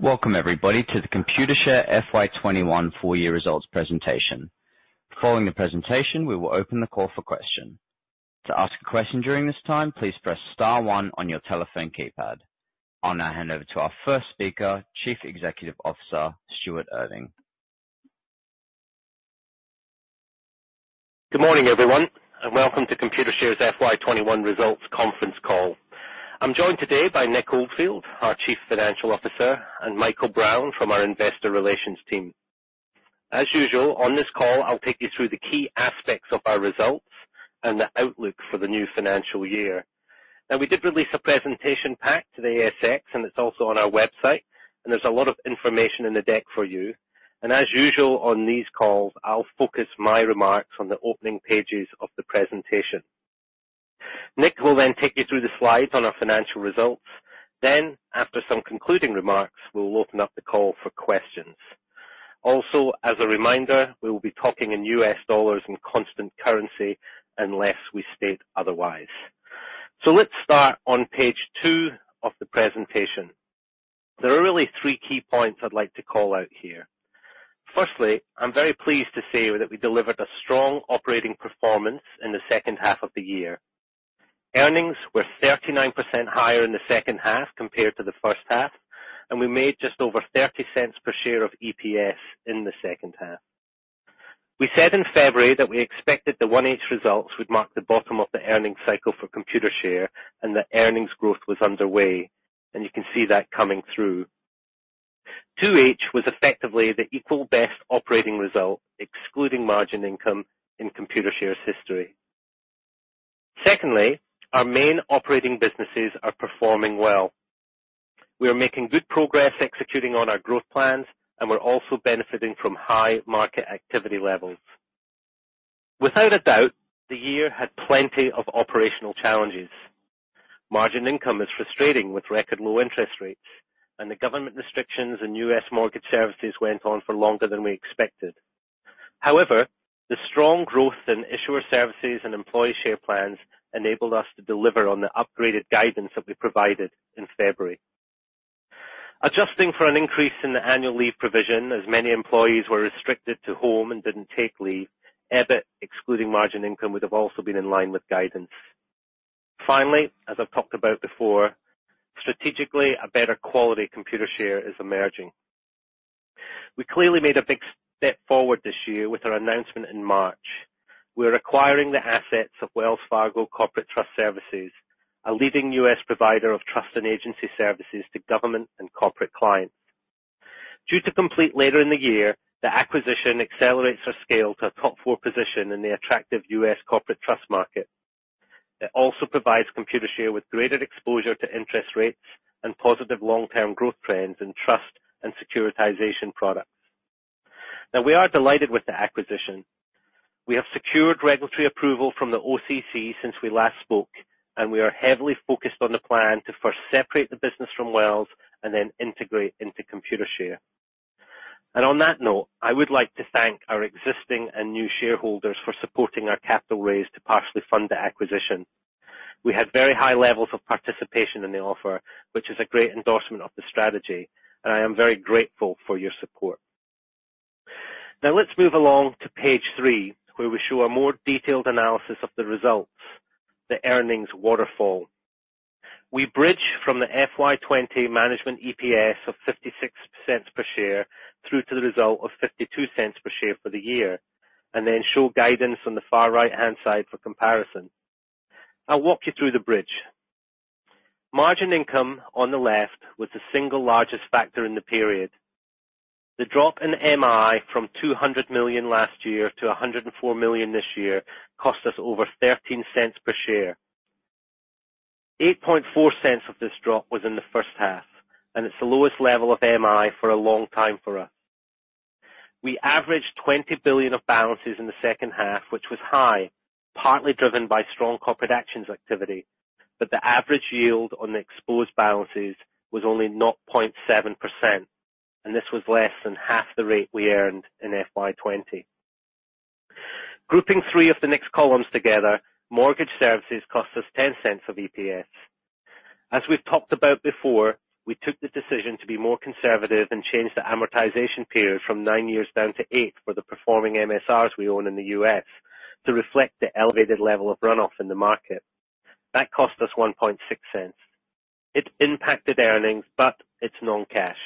Welcome eerybody to the Computershare FY 2021 full year results presentation. Following the presentation, we will open the call for question. To ask a question during this time, please press star one on your telephone keypad. I'll now hand over to our first speaker, Chief Executive Officer, Stuart Irving. Good morning, everyone, and welcome to Computershare's FY 2021 results conference call. I'm joined today by Nick Oldfield, our Chief Financial Officer, and Michael Brown from our investor relations team. As usual, on this call, I'll take you through the key aspects of our results and the outlook for the new financial year. We did release a presentation pack to the ASX, and it's also on our website, and there's a lot of information in the deck for you. As usual on these calls, I'll focus my remarks on the opening pages of the presentation. Nick will then take you through the slides on our financial results. After some concluding remarks, we'll open up the call for questions. As a reminder, we will be talking in US dollars in constant currency unless we state otherwise. Let's start on page two of the presentation. There are really three key points I'd like to call out here. Firstly, I'm very pleased to say that we delivered a strong operating performance in the second half of the year. Earnings were 39% higher in the second half compared to the first half, and we made just over $0.30 per share of EPS in the second half. We said in February that we expected the H1 results would mark the bottom of the earnings cycle for Computershare and that earnings growth was underway, and you can see that coming through. H2 was effectively the equal best operating result, excluding margin income in Computershare's history. Secondly, our main operating businesses are performing well. We are making good progress executing on our growth plans, and we're also benefiting from high market activity levels. Without a doubt, the year had plenty of operational challenges. Margin income is frustrating with record low interest rates, and the government restrictions and U.S. mortgage services went on for longer than we expected. The strong growth in Issuer Services and employee share plans enabled us to deliver on the upgraded guidance that we provided in February. Adjusting for an increase in the annual leave provision, as many employees were restricted to home and didn't take leave, EBIT, excluding margin income, would have also been in line with guidance. As I've talked about before, strategically, a better quality Computershare is emerging. We clearly made a big step forward this year with our announcement in March. We're acquiring the assets of Wells Fargo Corporate Trust Services, a leading U.S. provider of trust and agency services to government and corporate clients. Due to complete later in the year, the acquisition accelerates our scale to a top four position in the attractive U.S. corporate trust market. It also provides Computershare with greater exposure to interest rates and positive long-term growth trends in trust and securitization products. Now, we are delighted with the acquisition. We have secured regulatory approval from the OCC since we last spoke, and we are heavily focused on the plan to first separate the business from Wells and then integrate into Computershare. On that note, I would like to thank our existing and new shareholders for supporting our capital raise to partially fund the acquisition. We had very high levels of participation in the offer, which is a great endorsement of the strategy, and I am very grateful for your support. Let's move along to page three, where we show a more detailed analysis of the results, the earnings waterfall. We bridge from the FY 2020 management EPS of $0.56 per share through to the result of $0.52 per share for the year, then show guidance on the far right-hand side for comparison. I'll walk you through the bridge. Margin income on the left was the single largest factor in the period. The drop in MI from $200 million last year to $104 million this year cost us over $0.13 per share. $0.084 of this drop was in the first half, it's the lowest level of MI for a long time for us. We averaged $20 billion of balances in the second half, which was high, partly driven by strong corporate actions activity. The average yield on the exposed balances was only 0.7%, and this was less than half the rate we earned in FY 2020. Grouping three of the next columns together, mortgage services cost us $0.10 of EPS. As we've talked about before, we took the decision to be more conservative and change the amortization period from nine years down to eight for the performing MSRs we own in the U.S. to reflect the elevated level of runoff in the market. That cost us $0.016. It impacted earnings, but it's non-cash.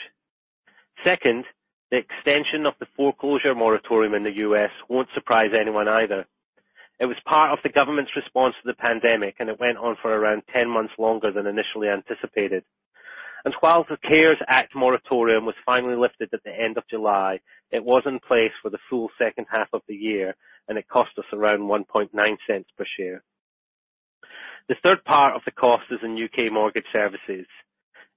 Second, the extension of the foreclosure moratorium in the U.S. won't surprise anyone either. It was part of the government's response to the pandemic, and it went on for around 10 months longer than initially anticipated. While the CARES Act moratorium was finally lifted at the end of July, it was in place for the full second half of the year, and it cost us around $0.019 per share. The third part of the cost is in U.K. mortgage services.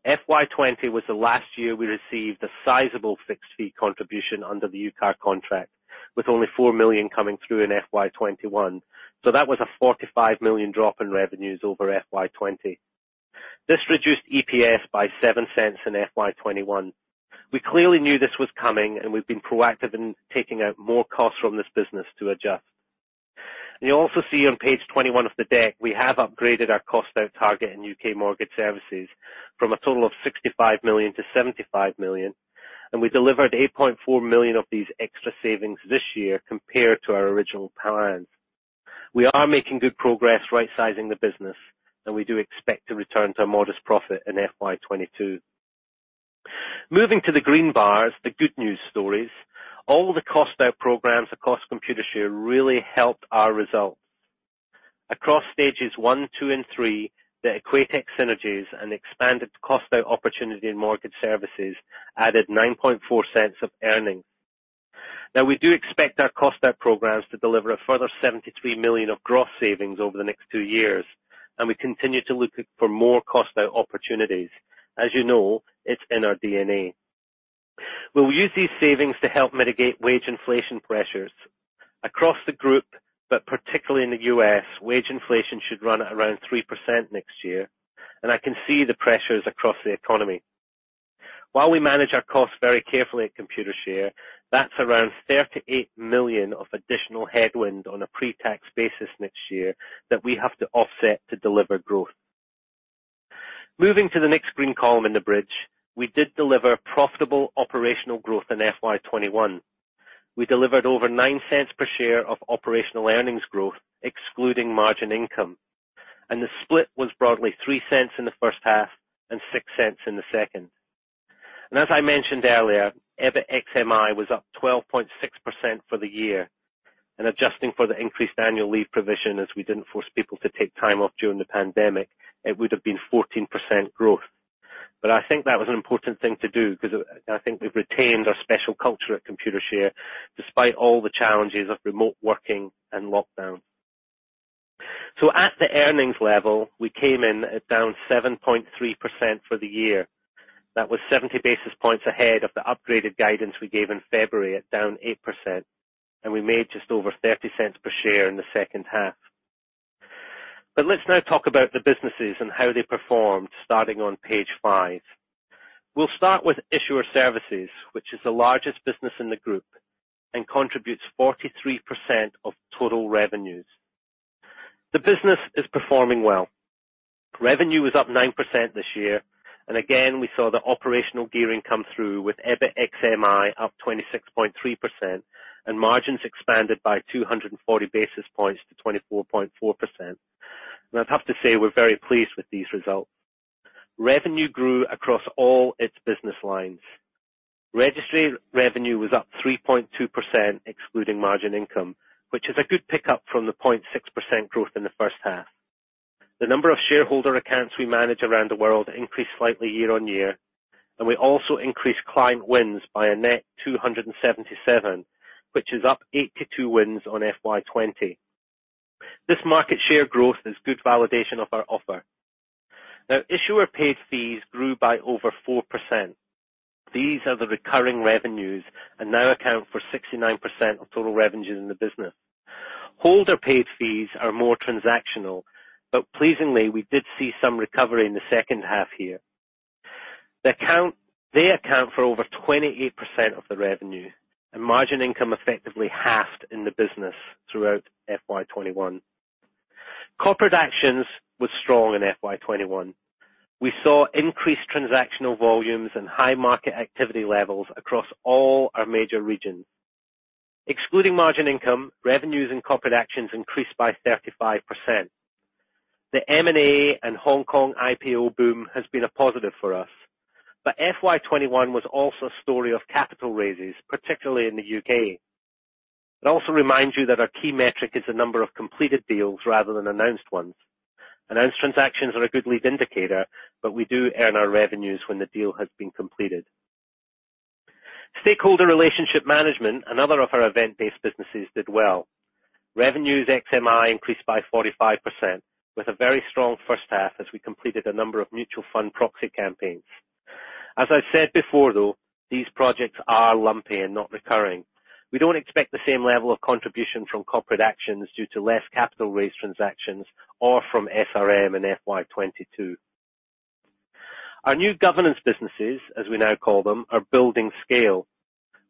FY 2020 was the last year we received a sizable fixed fee contribution under the UKAR contract, with only $4 million coming through in FY 2021. That was a $45 million drop in revenues over FY 2020. This reduced EPS by $0.07 in FY 2021. We clearly knew this was coming, and we've been proactive in taking out more costs from this business to adjust. You also see on page 21 of the deck, we have upgraded our cost out target in U.K. mortgage services from a total of 65 million to 75 million, and we delivered 8.4 million of these extra savings this year compared to our original plans. We are making good progress rightsizing the business, and we do expect to return to a modest profit in FY 2022. Moving to the green bars, the good news stories. All the cost-out programs across Computershare really helped our results. Across stages one, two, and three, the Equatex synergies and expanded cost out opportunity in mortgage services added $0.094 of earnings. We do expect our cost out programs to deliver a further $73 million of gross savings over the next two years, and we continue to look for more cost out opportunities. As you know, it's in our DNA. We will use these savings to help mitigate wage inflation pressures across the group, particularly in the U.S., wage inflation should run at around 3% next year, I can see the pressures across the economy. While we manage our costs very carefully at Computershare, that's around $38 million of additional headwind on a pre-tax basis next year that we have to offset to deliver growth. Moving to the next green column in the bridge, we did deliver profitable operational growth in FY 2021. We delivered over $0.09 per share of operational earnings growth excluding margin income, and the split was broadly $0.03 in the first half and $0.06 in the second. As I mentioned earlier, EBIT XMI was up 12.6% for the year. Adjusting for the increased annual leave provision, as we didn't force people to take time off during the pandemic, it would have been 14% growth. I think that was an important thing to do because I think we've retained our special culture at Computershare, despite all the challenges of remote working and lockdown. At the earnings level, we came in at down 7.3% for the year. That was 70 basis points ahead of the upgraded guidance we gave in February at down 8%, and we made just over $0.30 per share in the second half. Let's now talk about the businesses and how they performed starting on page five. We'll start with issuer services, which is the largest business in the group, and contributes 43% of total revenues. The business is performing well. Revenue was up 9% this year, and again, we saw the operational gearing come through with EBIT XMI up 26.3%, and margins expanded by 240 basis points to 24.4%. I'd have to say we're very pleased with these results. Revenue grew across all its business lines. Registry revenue was up 3.2%, excluding margin income, which is a good pickup from the 0.6% growth in the first half. The number of shareholder accounts we manage around the world increased slightly year on year, and we also increased client wins by a net 277, which is up 82 wins on FY 2020. This market share growth is good validation of our offer. Issuer paid fees grew by over 4%. These are the recurring revenues and now account for 69% of total revenues in the business. Holder paid fees are more transactional, but pleasingly, we did see some recovery in the second half here. They account for over 28% of the revenue, and margin income effectively halved in the business throughout FY 2021. Corporate actions was strong in FY 2021. We saw increased transactional volumes and high market activity levels across all our major regions. Excluding margin income, revenues and corporate actions increased by 35%. The M&A and Hong Kong IPO boom has been a positive for us. FY 2021 was also a story of capital raises, particularly in the U.K. It also reminds you that our key metric is the number of completed deals rather than announced ones. Announced transactions are a good lead indicator, but we do earn our revenues when the deal has been completed. Stakeholder Relationship Management, another of our event-based businesses, did well. Revenues XMI increased by 45% with a very strong first half as we completed a number of mutual fund proxy campaigns. As I've said before, though, these projects are lumpy and not recurring. We don't expect the same level of contribution from corporate actions due to less capital raise transactions or from SRM in FY 2022. Our new governance businesses, as we now call them, are building scale.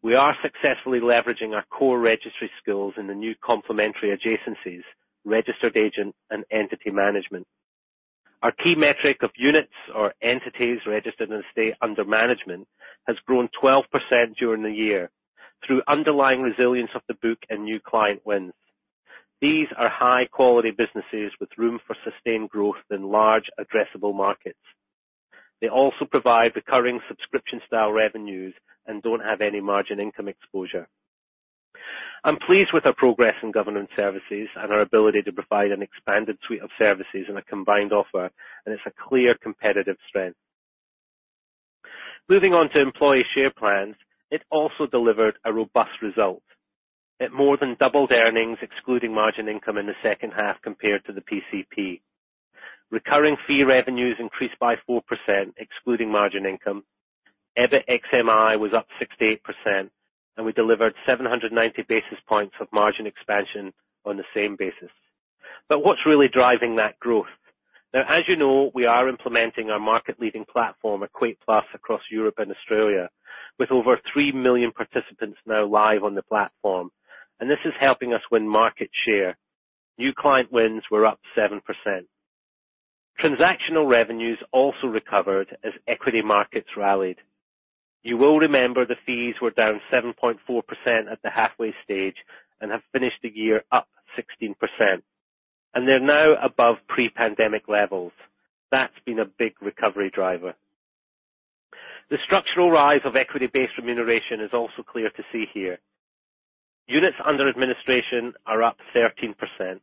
We are successfully leveraging our core registry skills in the new complementary adjacencies, registered agent, and entity management. Our key metric of units or entities registered in the state under management, has grown 12% during the year through underlying resilience of the book and new client wins. These are high-quality businesses with room for sustained growth in large addressable markets. They also provide recurring subscription-style revenues and don't have any margin income exposure. I'm pleased with our progress in governance services and our ability to provide an expanded suite of services and a combined offer, and it's a clear competitive strength. Moving on to employee share plans. It also delivered a robust result. It more than doubled earnings excluding margin income in the second half compared to the PCP. Recurring fee revenues increased by 4%, excluding margin income. EBIT XMI was up 68%, and we delivered 790 basis points of margin expansion on the same basis. What's really driving that growth? As you know, we are implementing our market-leading platform, EquatePlus, across Europe and Australia, with over 3 million participants now live on the platform. This is helping us win market share. New client wins were up 7%. Transactional revenues also recovered as equity markets rallied. You will remember the fees were down 7.4% at the halfway stage and have finished the year up 16%, and they're now above pre-pandemic levels. That's been a big recovery driver. The structural rise of equity-based remuneration is also clear to see here. Units under administration are up 13%,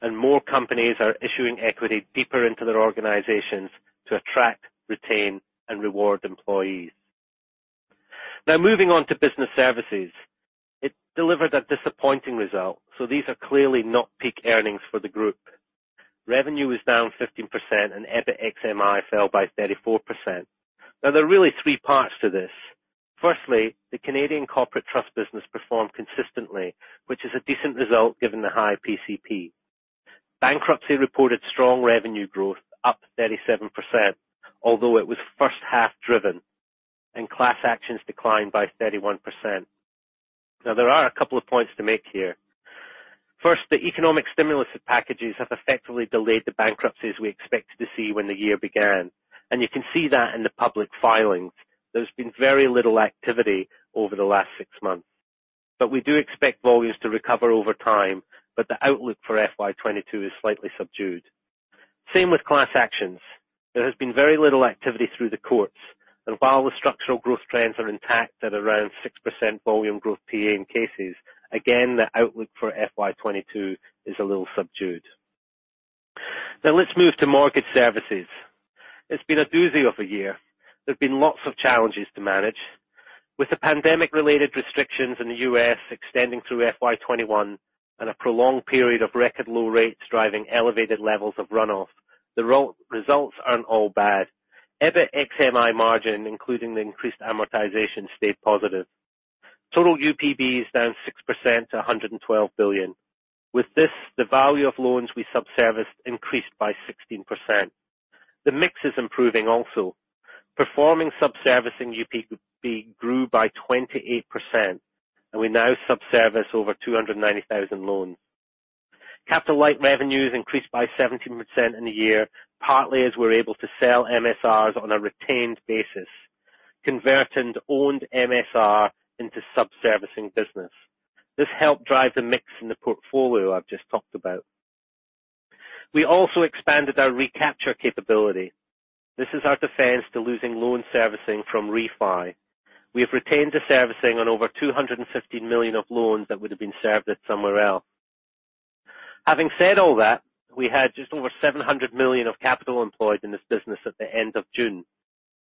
and more companies are issuing equity deeper into their organizations to attract, retain, and reward employees. Moving on to business services. It delivered a disappointing result, these are clearly not peak earnings for the group. Revenue was down 15% and EBIT XMI fell by 34%. There are really three parts to this. Firstly, the Canadian corporate trust business performed consistently, which is a decent result given the high PCP. Bankruptcy reported strong revenue growth up 37%, although it was first half driven, and class actions declined by 31%. There are a couple of points to make here. First, the economic stimulus packages have effectively delayed the bankruptcies we expected to see when the year began, and you can see that in the public filings. There's been very little activity over the last six months. We do expect volumes to recover over time, but the outlook for FY 2022 is slightly subdued. Same with class actions. There has been very little activity through the courts, and while the structural growth trends are intact at around 6% volume growth PA in cases, again, the outlook for FY 2022 is a little subdued. Let's move to mortgage services. It's been a doozy of a year. There have been lots of challenges to manage. With the pandemic-related restrictions in the U.S. extending through FY 2021 and a prolonged period of record low rates driving elevated levels of runoff, the results aren't all bad. EBIT XMI margin, including the increased amortization, stayed positive. Total UPBs down 6% to $112 billion. With this, the value of loans we sub-serviced increased by 16%. The mix is improving also. Performing sub-servicing UPB grew by 28%, and we now sub-service over 290,000 loans. Capital light revenues increased by 17% in a year, partly as we're able to sell MSRs on a retained basis, converting owned MSR into sub-servicing business. This helped drive the mix in the portfolio I've just talked about. We also expanded our recapture capability. This is our defense to losing loan servicing from refi. We have retained the servicing on over $250 million of loans that would have been serviced somewhere else. Having said all that, we had just over $700 million of capital employed in this business at the end of June.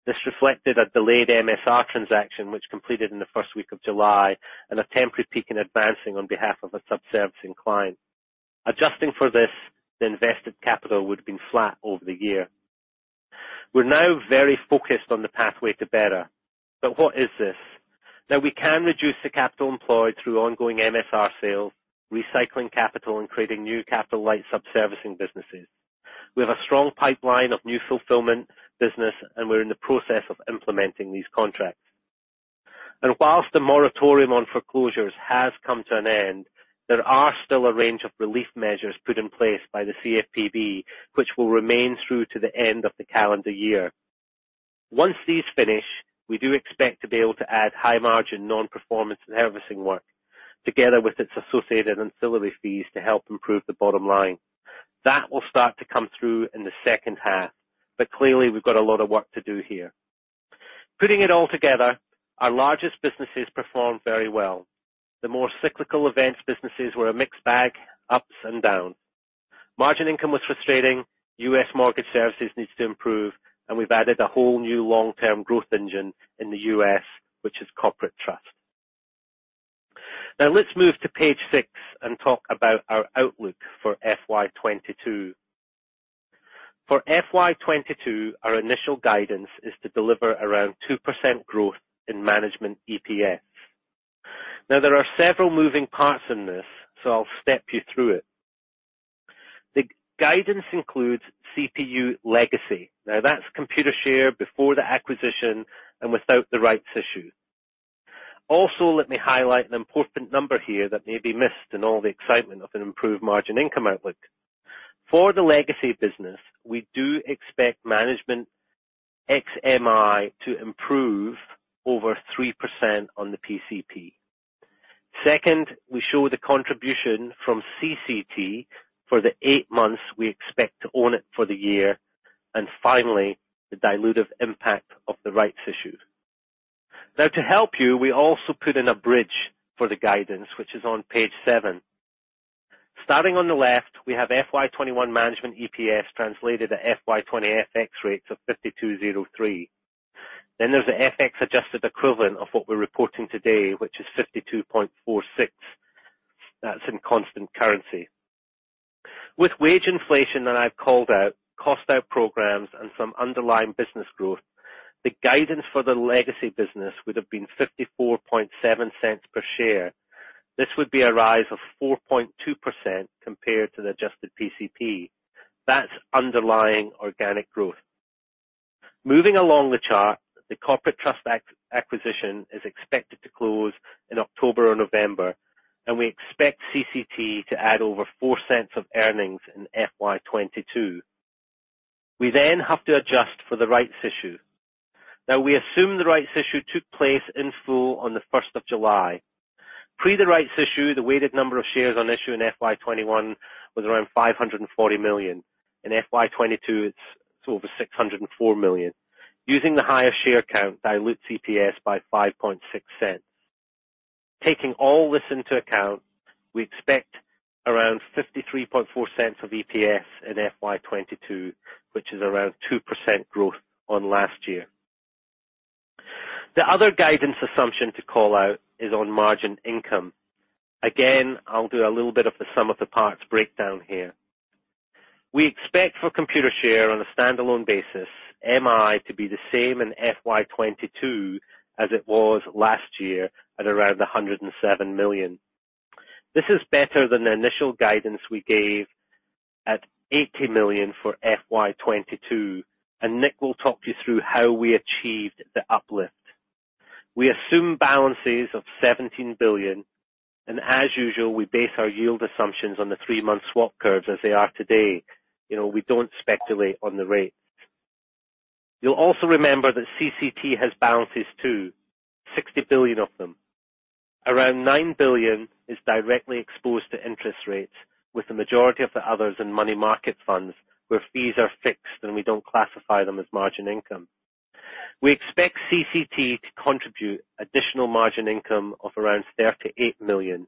This reflected a delayed MSR transaction which completed in the first week of July and a temporary peak in advancing on behalf of a sub-servicing client. Adjusting for this, the invested capital would have been flat over the year. We're now very focused on the pathway to better. What is this? Now, we can reduce the capital employed through ongoing MSR sales, recycling capital, and creating new capital light sub-servicing businesses. We have a strong pipeline of new fulfillment business, and we're in the process of implementing these contracts. Whilst the moratorium on foreclosures has come to an end, there are still a range of relief measures put in place by the CFPB, which will remain through to the end of the calendar year. Once these finish, we do expect to be able to add high margin non-performance and servicing work together with its associated ancillary fees to help improve the bottom line. That will start to come through in the second half, but clearly we've got a lot of work to do here. Putting it all together, our largest businesses performed very well. The more cyclical events businesses were a mixed bag, ups and downs. Margin income was frustrating. U.S. mortgage services needs to improve, and we've added a whole new long-term growth engine in the U.S., which is Corporate Trust. Let's move to page six and talk about our outlook for FY 2022. For FY 2022, our initial guidance is to deliver around 2% growth in management EPS. There are several moving parts in this, so I'll step you through it. The guidance includes CPU legacy. That's Computershare before the acquisition and without the rights issue. Let me highlight an important number here that may be missed in all the excitement of an improved margin income outlook. For the legacy business, we do expect management XMI to improve over 3% on the PCP. Second, we show the contribution from CCT for the eight months we expect to own it for the year. Finally, the dilutive impact of the rights issue. To help you, we also put in a bridge for the guidance, which is on page seven. Starting on the left, we have FY 2021 management EPS translated at FY 2020 FX rates of $5,203. There's the FX adjusted equivalent of what we're reporting today, which is $52.46. That's in constant currency. With wage inflation that I've called out, cost out programs, and some underlying business growth. The guidance for the legacy business would have been $0.547 per share. This would be a rise of 4.2% compared to the adjusted PCP. That's underlying organic growth. Moving along the chart, the Corporate Trust acquisition is expected to close in October or November, and we expect CTS to add over $0.04 of earnings in FY 2022. We have to adjust for the rights issue. We assume the rights issue took place in full on the 1 July. Pre the rights issue, the weighted number of shares on issue in FY 2021 was around 540 million. In FY 2022, it's over 604 million. Using the higher share count dilutes EPS by $0.056. Taking all this into account, we expect around $0.534 of EPS in FY 2022, which is around 2% growth on last year. The other guidance assumption to call out is on margin income. I'll do a little bit of the sum of the parts breakdown here. We expect for Computershare on a standalone basis, MI to be the same in FY 2022 as it was last year at around the $107 million. This is better than the initial guidance we gave at $80 million for FY 2022, and Nick will talk you through how we achieved the uplift. We assume balances of $17 billion, and as usual, we base our yield assumptions on the three-month swap curves as they are today. We don't speculate on the rates. You'll also remember that CCT has balances too, $60 billion of them. Around $9 billion is directly exposed to interest rates, with the majority of the others in money market funds, where fees are fixed, and we don't classify them as margin income. We expect CCT to contribute additional margin income of around $38 million.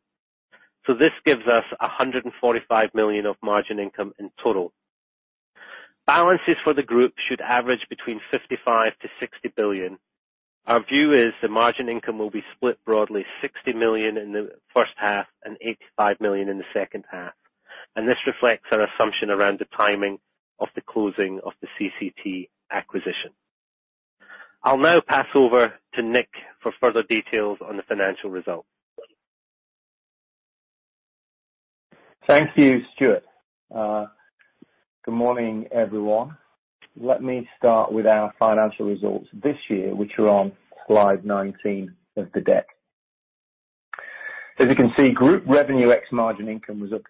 This gives us $145 million of margin income in total. Balances for the group should average between $55 billion-$60 billion. Our view is that margin income will be split broadly $60 million in the first half and $85 million in the second half, and this reflects our assumption around the timing of the closing of the CCT acquisition. I'll now pass over to Nick for further details on the financial results. Thank you, Stuart. Good morning, everyone. Let me start with our financial results this year, which are on slide 19 of the deck. As you can see, group revenue ex margin income was up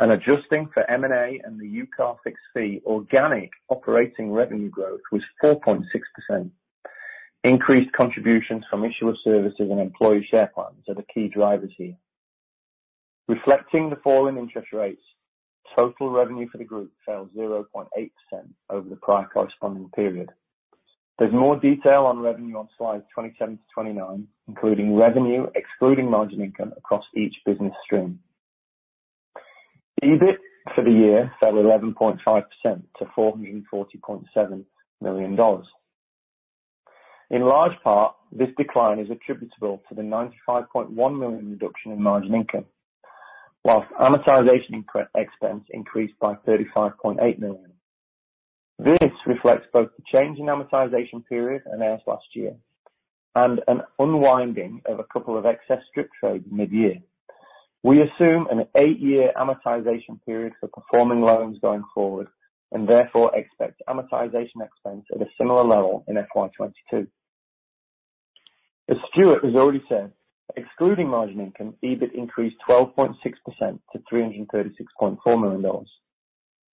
3.6%. Adjusting for M&A and the UKAR fixed fee, organic operating revenue growth was 4.6%. Increased contributions from issuer services and employee share plans are the key drivers here. Reflecting the fall in interest rates, total revenue for the group fell 0.8% over the prior corresponding period. There's more detail on revenue on slides 27-29, including revenue excluding margin income across each business stream. EBIT for the year fell 11.5% to $440.7 million. In large part, this decline is attributable to the $95.1 million reduction in margin income, whilst amortization expense increased by $35.8 million. This reflects both the change in amortization period announced last year and an unwinding of a couple of excess strip trades mid-year. We assume an eight-year amortization period for performing loans going forward. Therefore, expect amortization expense at a similar level in FY 2022. As Stuart has already said, excluding margin income, EBIT increased 12.6% to $336.4 million.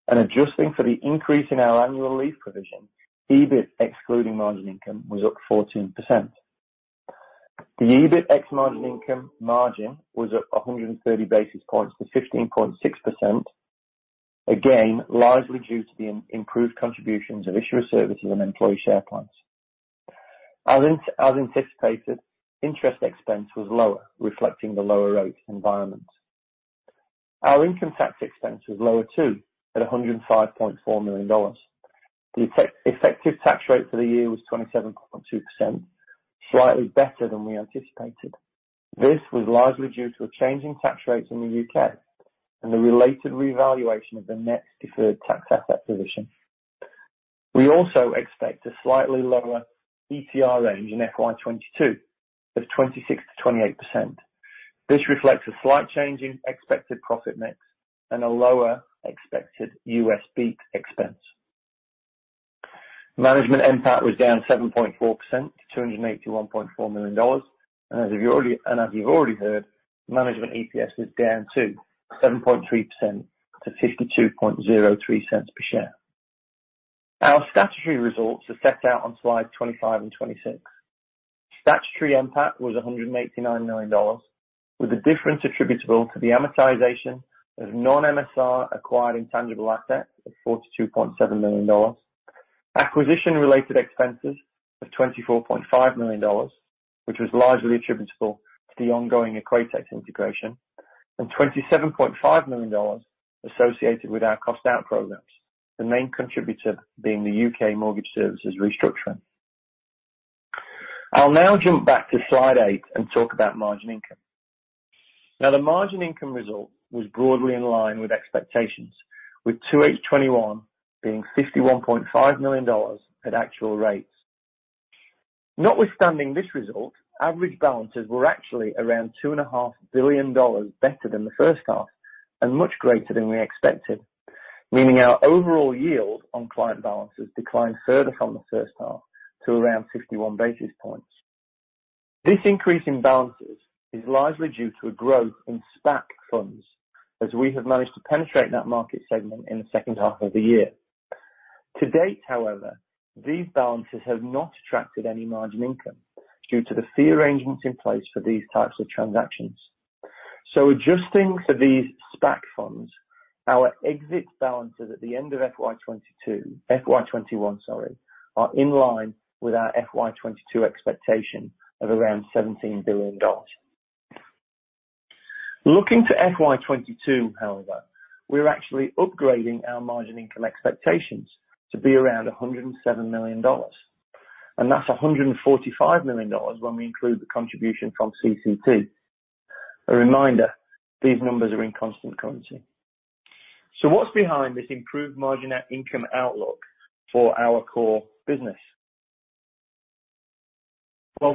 Adjusting for the increase in our annual leave provision, EBIT excluding margin income was up 14%. The EBIT ex margin income margin was up 130 basis points to 15.6%, again, largely due to the improved contributions of Issuer Services and employee share plans. As anticipated, interest expense was lower, reflecting the lower rate environment. Our income tax expense was lower too, at $105.4 million. The effective tax rate for the year was 27.2%, slightly better than we anticipated. This was largely due to a change in tax rates in the U.K. and the related revaluation of the net deferred tax asset position. We also expect a slightly lower ETR range in FY 2022 of 26%-28%. This reflects a slight change in expected profit mix and a lower expected U.S. BEAT expense. Management NPAT was down 7.4% to $281.4 million. As you've already heard, management EPS was down too, 7.3% to $0.5203 per share. Our statutory results are set out on slides 25 and 26. Statutory NPAT was $189 million, with the difference attributable to the amortization of non-MSR acquired intangible assets of $42.7 million. Acquisition related expenses of $24.5 million, which was largely attributable to the ongoing Equatex integration, and $27.5 million associated with our cost out programs, the main contributor being the U.K. mortgage services restructuring. I'll now jump back to slide eight and talk about margin income. The margin income result was broadly in line with expectations, with H2 2021 being $51.5 million at actual rates. Notwithstanding this result, average balances were actually around $2.5 billion better than the first half and much greater than we expected, meaning our overall yield on client balances declined further from the first half to around 51 basis points. This increase in balances is largely due to a growth in SPAC funds, as we have managed to penetrate that market segment in the second half of the year. To date, however, these balances have not attracted any margin income due to the fee arrangements in place for these types of transactions. Adjusting for these SPAC funds, our exit balances at the end of FY 2021 are in line with our FY 2022 expectation of around $17 billion. Looking to FY 2022, however, we're actually upgrading our margin income expectations to be around $107 million, and that's $145 million when we include the contribution from CCT. A reminder, these numbers are in constant currency. What's behind this improved margin net income outlook for our core business?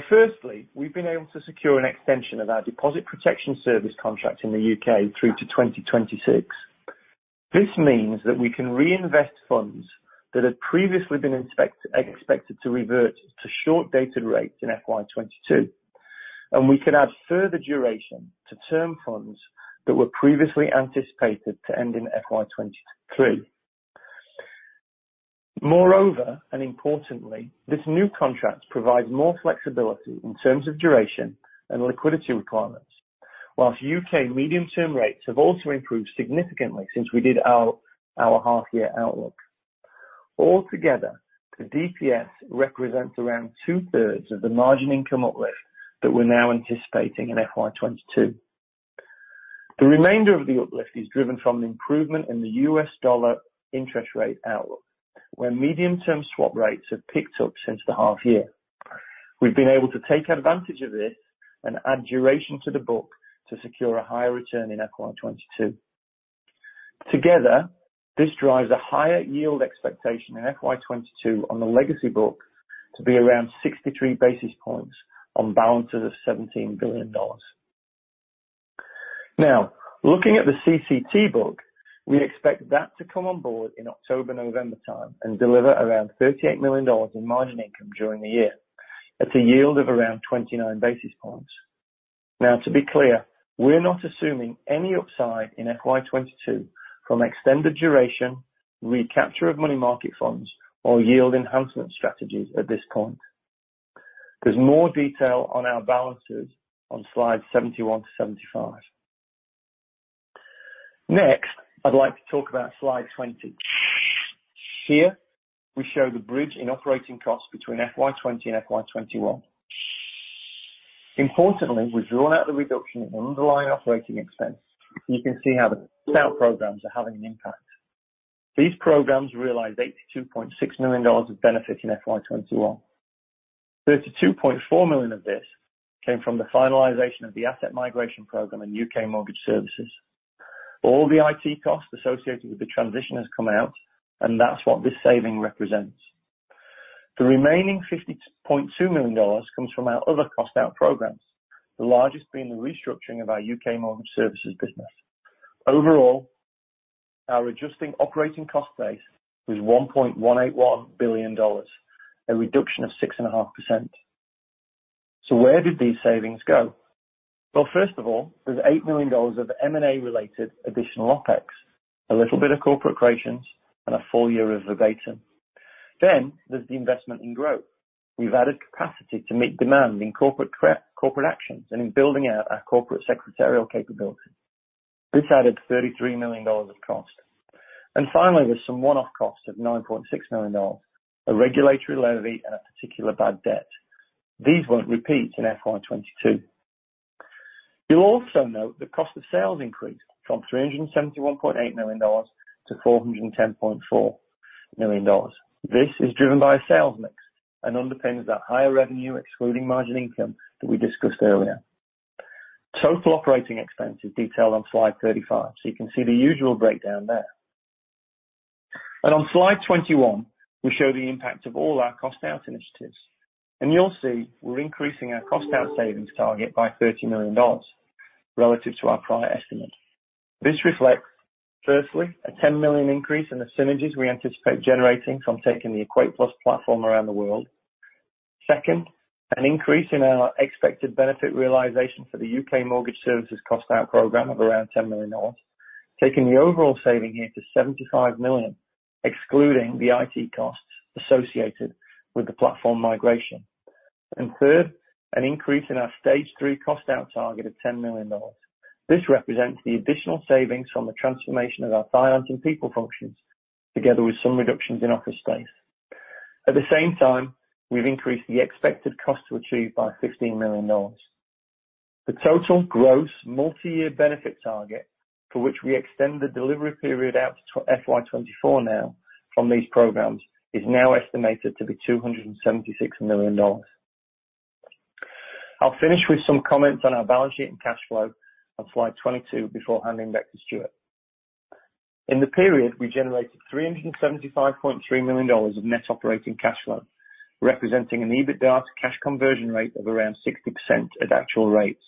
Firstly, we've been able to secure an extension of our deposit protection service contract in the U.K. through to 2026. This means that we can reinvest funds that had previously been expected to revert to short-dated rates in FY 2022, and we can add further duration to term funds that were previously anticipated to end in FY 2023. Moreover, and importantly, this new contract provides more flexibility in terms of duration and liquidity requirements, whilst U.K. medium-term rates have also improved significantly since we did our half-year outlook. Altogether, the DPS represents around two-thirds of the margin income uplift that we're now anticipating in FY 2022. The remainder of the uplift is driven from an improvement in the U.S. dollar interest rate outlook, where medium-term swap rates have picked up since the half year. We've been able to take advantage of this and add duration to the book to secure a higher return in FY 2022. Together, this drives a higher yield expectation in FY 2022 on the legacy book to be around 63 basis points on balances of $17 billion. Looking at the CCT book, we expect that to come on board in October, November time and deliver around $38 million in margin income during the year at a yield of around 29 basis points. To be clear, we're not assuming any upside in FY 2022 from extended duration, recapture of money market funds, or yield enhancement strategies at this point. There's more detail on our balances on slides 71-75. I'd like to talk about slide 20. Here we show the bridge in operating costs between FY 2020 and FY 2021. Importantly, we've drawn out the reduction in underlying operating expense. You can see how the cost out programs are having an impact. These programs realized $82.6 million of benefit in FY 2021. $32.4 million of this came from the finalization of the asset migration program in U.K. mortgage services. All the IT costs associated with the transition has come out, and that's what this saving represents. The remaining $52.2 million comes from our other cost out programs, the largest being the restructuring of our U.K. mortgage services business. Overall, our adjusting operating cost base was $1.181 billion, a reduction of 6.5%. Where did these savings go? First of all, there's $8 million of M&A related additional OpEx, a little bit of Corporate Creations, and a full year of Verbatim. There's the investment in growth. We've added capacity to meet demand in corporate actions and in building out our corporate secretarial capability. This added $33 million of cost. Finally, there's some one-off costs of $9.6 million, a regulatory levy and a particular bad debt. These won't repeat in FY 2022. You'll also note the cost of sales increased from $371.8 million to $410.4 million. This is driven by a sales mix and underpins that higher revenue excluding margin income that we discussed earlier. Total operating expense is detailed on slide 35. You can see the usual breakdown there. On slide 21, we show the impact of all our cost out initiatives. You'll see we're increasing our cost out savings target by $30 million relative to our prior estimate. This reflects, firstly, a $10 million increase in the synergies we anticipate generating from taking the EquatePlus platform around the world. Second, an increase in our expected benefit realization for the U.K. mortgage services cost out program of around $10 million, taking the overall saving here to $75 million, excluding the IT costs associated with the platform migration. Third, an increase in our stage three cost out target of $10 million. This represents the additional savings from the transformation of our finance and people functions, together with some reductions in office space. At the same time, we've increased the expected cost to achieve by $15 million. The total gross multi-year benefit target for which we extend the delivery period out to FY 2024 now from these programs is now estimated to be $276 million. I'll finish with some comments on our balance sheet and cash flow on slide 22 before handing back to Stuart. In the period, we generated $375.3 million of net operating cash flow, representing an EBITDA to cash conversion rate of around 60% at actual rates.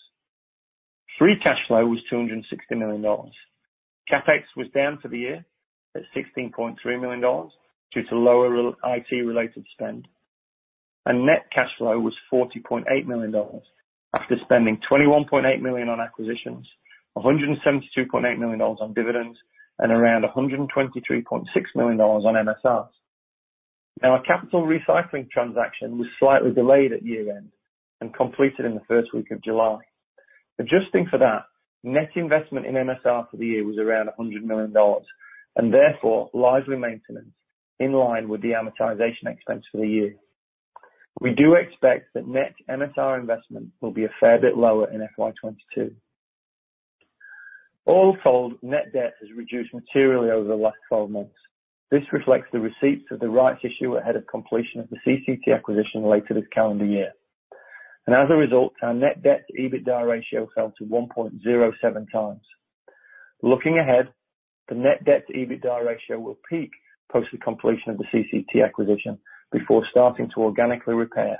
Free cash flow was $260 million. CapEx was down for the year at $16.3 million due to lower IT-related spend. Net cash flow was $40.8 million after spending $21.8 million on acquisitions, $172.8 million on dividends, and around $123.6 million on MSRs. Our capital recycling transaction was slightly delayed at year-end and completed in the first week of July. Adjusting for that, net investment in MSR for the year was around $100 million and therefore largely maintenance in line with the amortization expense for the year. We do expect that net MSR investment will be a fair bit lower in FY 2022. All told, net debt has reduced materially over the last 12 months. This reflects the receipts of the rights issue ahead of completion of the CCT acquisition later this calendar year. As a result, our net debt to EBITDA ratio fell to 1.07x. Looking ahead, the net debt to EBITDA ratio will peak post the completion of the CCT acquisition before starting to organically repair.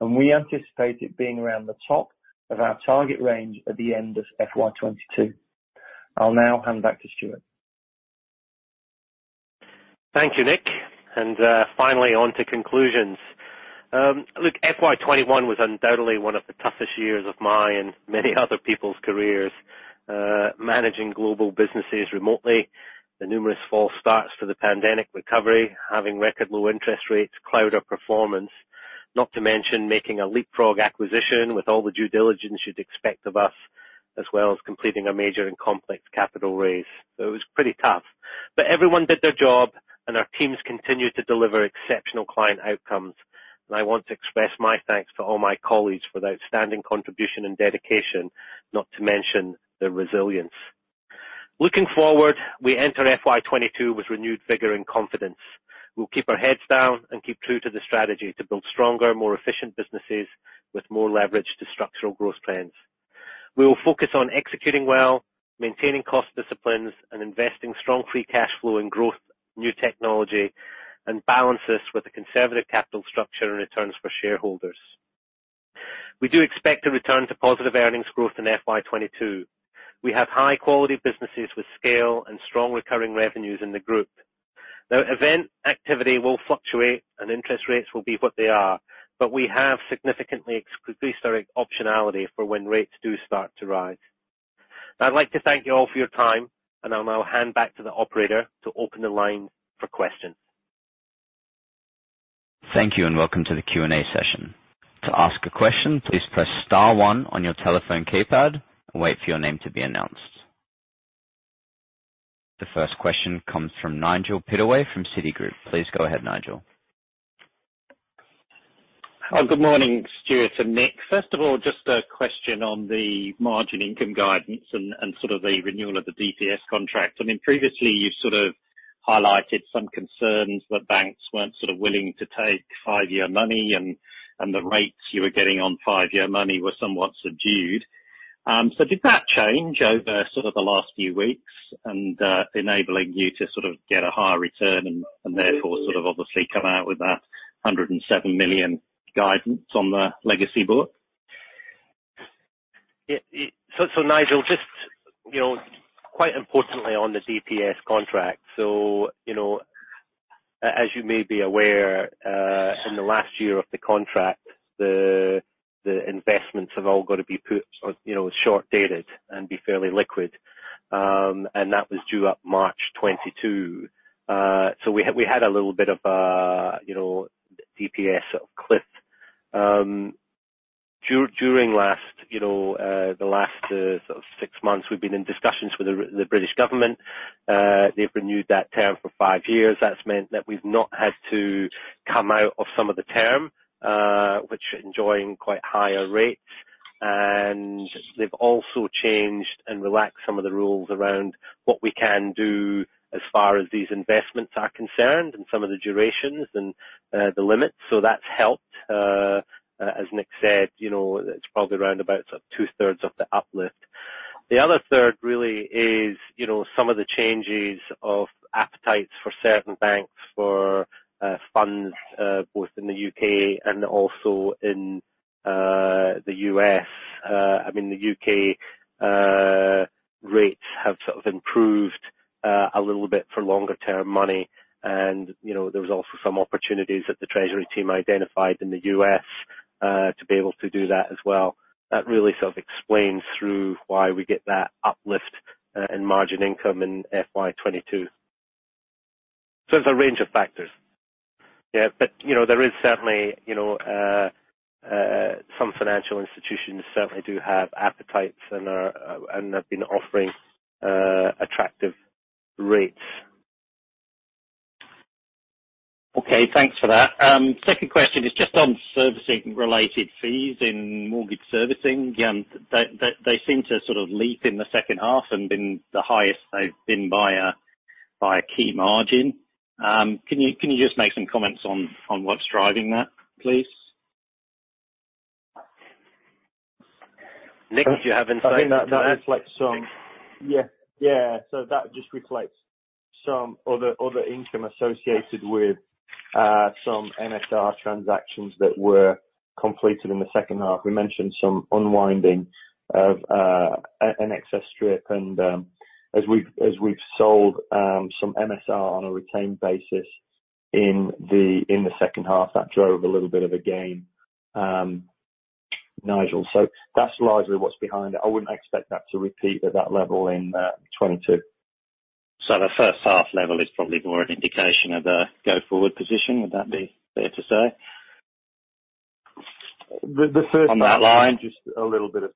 We anticipate it being around the top of our target range at the end of FY 2022. I'll now hand back to Stuart. Thank you, Nick. Finally on to conclusions. Look, FY 2021 was undoubtedly one of the toughest years of my and many other people's careers. Managing global businesses remotely, the numerous false starts to the pandemic recovery, having record low interest rates cloud our performance, not to mention making a leapfrog acquisition with all the due diligence you'd expect of us, as well as completing a major and complex capital raise. It was pretty tough. Everyone did their job, and our teams continued to deliver exceptional client outcomes. I want to express my thanks to all my colleagues for their outstanding contribution and dedication, not to mention their resilience. Looking forward, we enter FY 2022 with renewed vigor and confidence. We'll keep our heads down and keep true to the strategy to build stronger, more efficient businesses with more leverage to structural growth trends. We will focus on executing well, maintaining cost disciplines, and investing strong free cash flow in growth, new technology, and balance this with a conservative capital structure and returns for shareholders. We do expect a return to positive earnings growth in FY 2022. We have high-quality businesses with scale and strong recurring revenues in the group. Now event activity will fluctuate and interest rates will be what they are, but we have significantly increased our optionality for when rates do start to rise. I'd like to thank you all for your time, and I'll now hand back to the operator to open the line for questions. Thank you and welcome to the Q&A session. To ask a question, please press star one on your telephone keypad and wait for your name to be announced. The first question comes from Nigel Pittaway from Citigroup. Please go ahead, Nigel. Good morning, Stuart and Nick. First of all, just a question on the margin income guidance and sort of the renewal of the DPS contract. I mean, previously you sort of highlighted some concerns that banks weren't sort of willing to take five-year money and the rates you were getting on five-year money were somewhat subdued. Did that change over sort of the last few weeks and enabling you to sort of get a higher return and therefore sort of obviously come out with that $107 million guidance on the legacy book? Nigel, just quite importantly on the DPS contract. As you may be aware, in the last year of the contract, the investments have all got to be put short-dated and be fairly liquid. That was due up March 2022. We had a little bit of a DPS cliff. During the last six months, we've been in discussions with the British government. They've renewed that term for five years. That's meant that we've not had to come out of some of the term, which enjoying quite higher rates. They've also changed and relaxed some of the rules around what we can do as far as these investments are concerned and some of the durations and the limits. That's helped. As Nick said, it's probably around about 2/3 of the uplift. The other third really is some of the changes of appetites for certain banks for funds, both in the U.K. and also in the U.S. I mean, the U.K. rates have sort of improved a little bit for longer-term money. There was also some opportunities that the treasury team identified in the U.S. to be able to do that as well. That really sort of explains through why we get that uplift in margin income in FY 2022. It's a range of factors. Yeah. There is certainly some financial institutions certainly do have appetites and have been offering attractive rates Okay, thanks for that. Second question is just on servicing related fees in mortgage servicing. They seem to sort of leap in the second half and been the highest they've been by a key margin. Can you just make some comments on what's driving that, please? Nick, do you have insights into that? That just reflects some other income associated with some MSR transactions that were completed in the second half. We mentioned some unwinding of an excess strip, and as we've sold some MSR on a retained basis in the second half, that drove a little bit of a gain, Nigel. That's largely what's behind it. I wouldn't expect that to repeat at that level in 2022. The first half level is probably more an indication of a go-forward position. Would that be fair to say? The first- On that line. Just a little bit of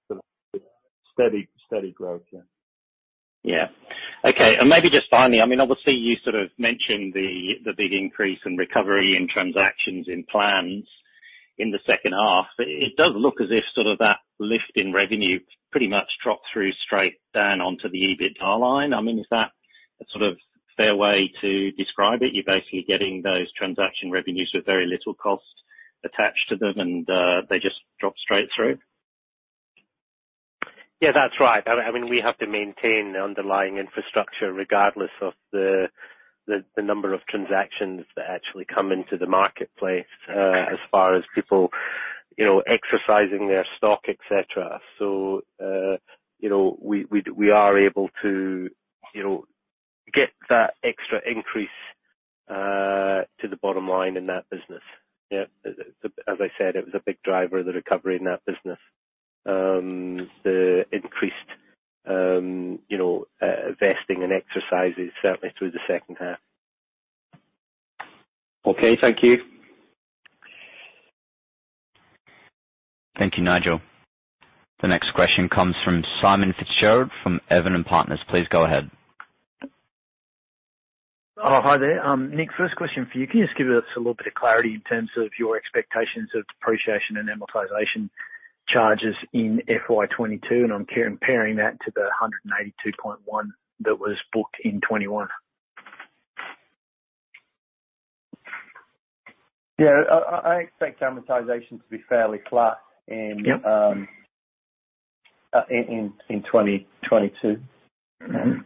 steady growth. Yeah. Yeah. Okay. Maybe just finally, obviously you sort of mentioned the big increase in recovery in transactions in plans in the second half. It does look as if sort of that lift in revenue pretty much dropped through straight down onto the EBITDA line. Is that a sort of fair way to describe it? You're basically getting those transaction revenues with very little cost attached to them, and they just drop straight through? Yeah, that's right. We have to maintain the underlying infrastructure regardless of the number of transactions that actually come into the marketplace, as far as people exercising their stock, et cetera. We are able to get that extra increase to the bottom line in that business. Yeah. As I said, it was a big driver of the recovery in that business. The increased vesting and exercises certainly through the second half. Okay, thank you. Thank you, Nigel. The next question comes from Simon Fitzgerald from Evans and Partners. Please go ahead. Oh, hi there. Nick, first question for you. Can you just give us a little bit of clarity in terms of your expectations of depreciation and amortization charges in FY 2022? I'm comparing that to the $182.1 that was booked in 2021. Yeah. I expect amortization to be fairly flat in- Yep. In 2022.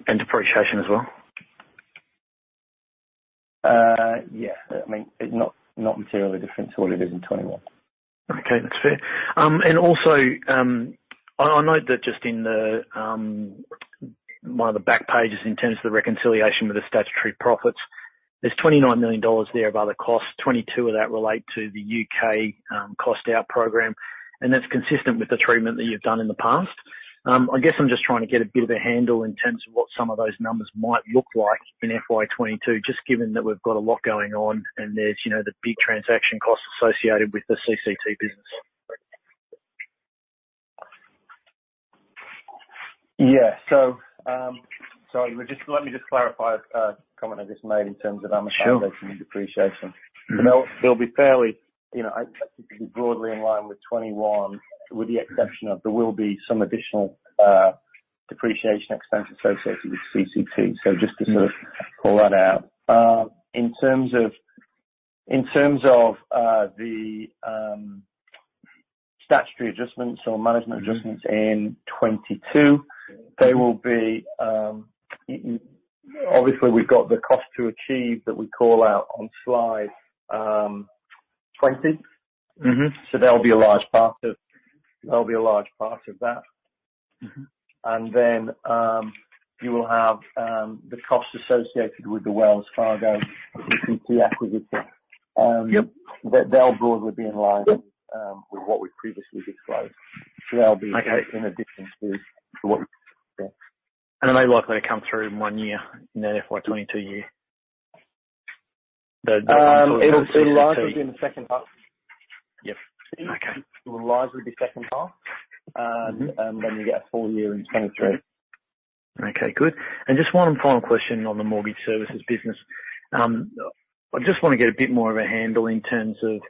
Depreciation as well? Yeah. It's not materially different to what it is in 2021. Okay, that's fair. Also, I note that just in one of the back pages in terms of the reconciliation with the statutory profits, there's $29 million there of other costs. 2022 of that relate to the U.K. cost out program, and that's consistent with the treatment that you've done in the past. I guess I'm just trying to get a bit of a handle in terms of what some of those numbers might look like in FY 2022, just given that we've got a lot going on and there's the big transaction costs associated with the CTS business. Yeah. Sorry, let me just clarify a comment I just made in terms of amortization. Sure. depreciation. They'll be fairly, I expect it to be broadly in line with 2021, with the exception of there will be some additional depreciation expense associated with CCT. Just to sort of call that out. In terms of the statutory adjustments or management adjustments in 2022, they will be Obviously, we've got the cost to achieve that we call out on slide 20. That'll be a large part of that. You will have the costs associated with the Wells Fargo CCT acquisition. Yep. They'll broadly be in line with what we previously disclosed. Okay. In addition to what we paid. Are they likely to come through in one year, in the FY 2022 year? It will largely be in the second half. Yep. Okay. It will largely be second half. You get a full year in 2023. Okay, good. Just one final question on the mortgage services business. I just want to get a bit more of a handle in terms of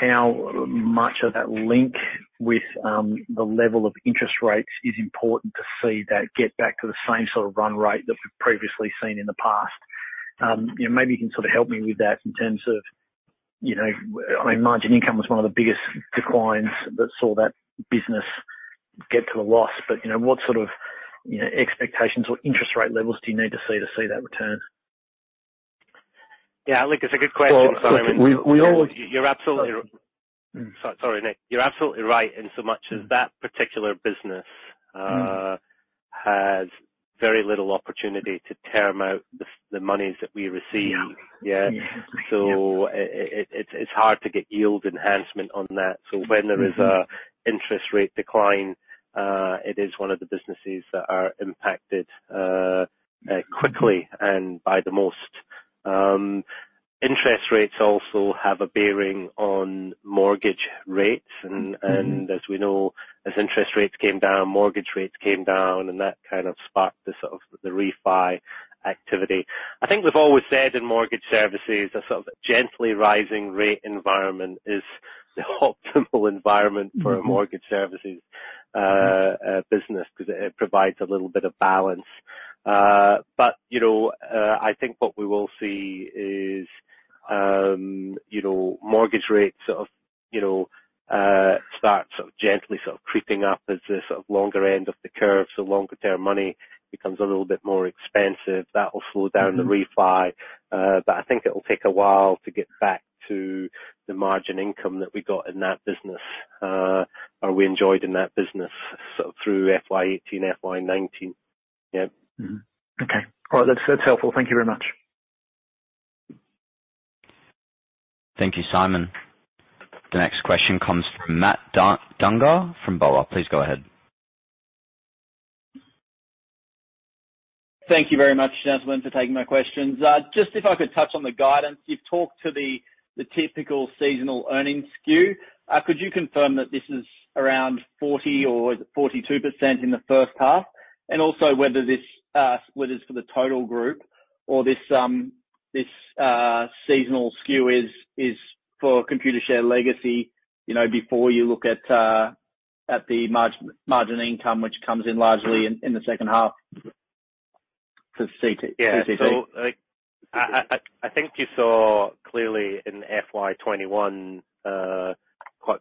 how much of that link with the level of interest rates is important to see that get back to the same sort of run rate that we've previously seen in the past. Maybe you can sort of help me with that in terms of. Margin income was one of the biggest declines that saw that business get to a loss. What sort of expectations or interest rate levels do you need to see to see that return? Yeah, look, it's a good question, Simon. Well, we always- Sorry, Nick. You're absolutely right insomuch as that particular business has very little opportunity to term out the monies that we receive. Yeah. Yeah. It's hard to get yield enhancement on that. When there is a interest rate decline, it is one of the businesses that are impacted quickly and by the most. Interest rates also have a bearing on mortgage rates. As we know, as interest rates came down, mortgage rates came down, that kind of sparked the sort of the refi activity. I think we've always said in mortgage services, a sort of gently rising rate environment is the optimal environment for a mortgage services business because it provides a little bit of balance. I think what we will see is mortgage rates start gently creeping up as the longer end of the curve, so longer-term money becomes a little bit more expensive. That will slow down the refi. I think it will take a while to get back to the margin income that we got in that business, or we enjoyed in that business through FY 2018, FY 2019. Yeah. Okay. All right. That's helpful. Thank you very much. Thank you, Simon. The next question comes from Matt Dunger from BofA. Please go ahead. Thank you very much, gentlemen, for taking my questions. Just if I could touch on the guidance. You've talked to the typical seasonal earnings skew. Could you confirm that this is around 40% or is it 42% in the first half? Also whether it's for the total group or this seasonal skew is for Computershare legacy before you look at the margin income, which comes in largely in the second half for CCT? Yeah. I think you saw clearly in FY 2021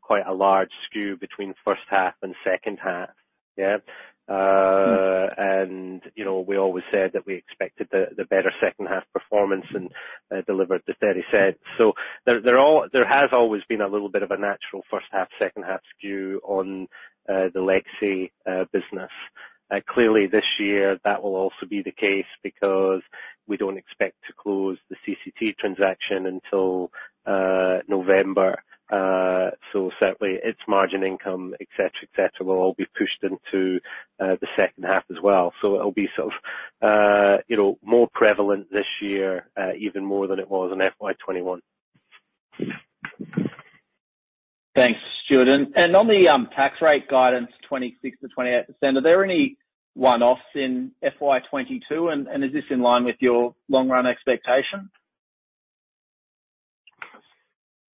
quite a large skew between first half and second half. Yeah. We always said that we expected the better second half performance and delivered the $0.30. There has always been a little bit of a natural first half, second half skew on the legacy business. Clearly this year, that will also be the case because we don't expect to close the CCT transaction until November. Certainly its margin income, et cetera, et cetera, will all be pushed into the second half as well. It'll be more prevalent this year, even more than it was in FY 2021. Thanks, Stuart. On the tax rate guidance, 26%-28%, are there any one-offs in FY 2022, and is this in line with your long-run expectation?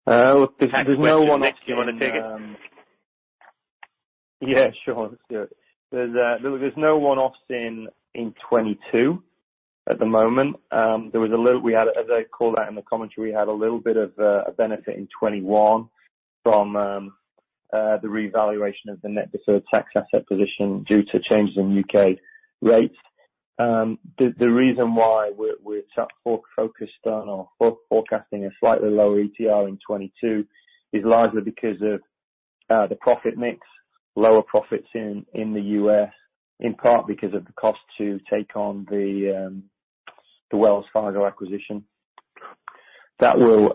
Look, there's no one-offs. Next, you want to take it? Yeah, sure. Let's do it. There's no one-offs in 2022 at the moment. As I called out in the commentary, we had a little bit of a benefit in 2021 from the revaluation of the net deferred tax asset position due to changes in U.K. rates. The reason why we're focused on or forecasting a slightly lower ETR in 2022 is largely because of the profit mix, lower profits in the U.S., in part because of the cost to take on the Wells Fargo acquisition. As a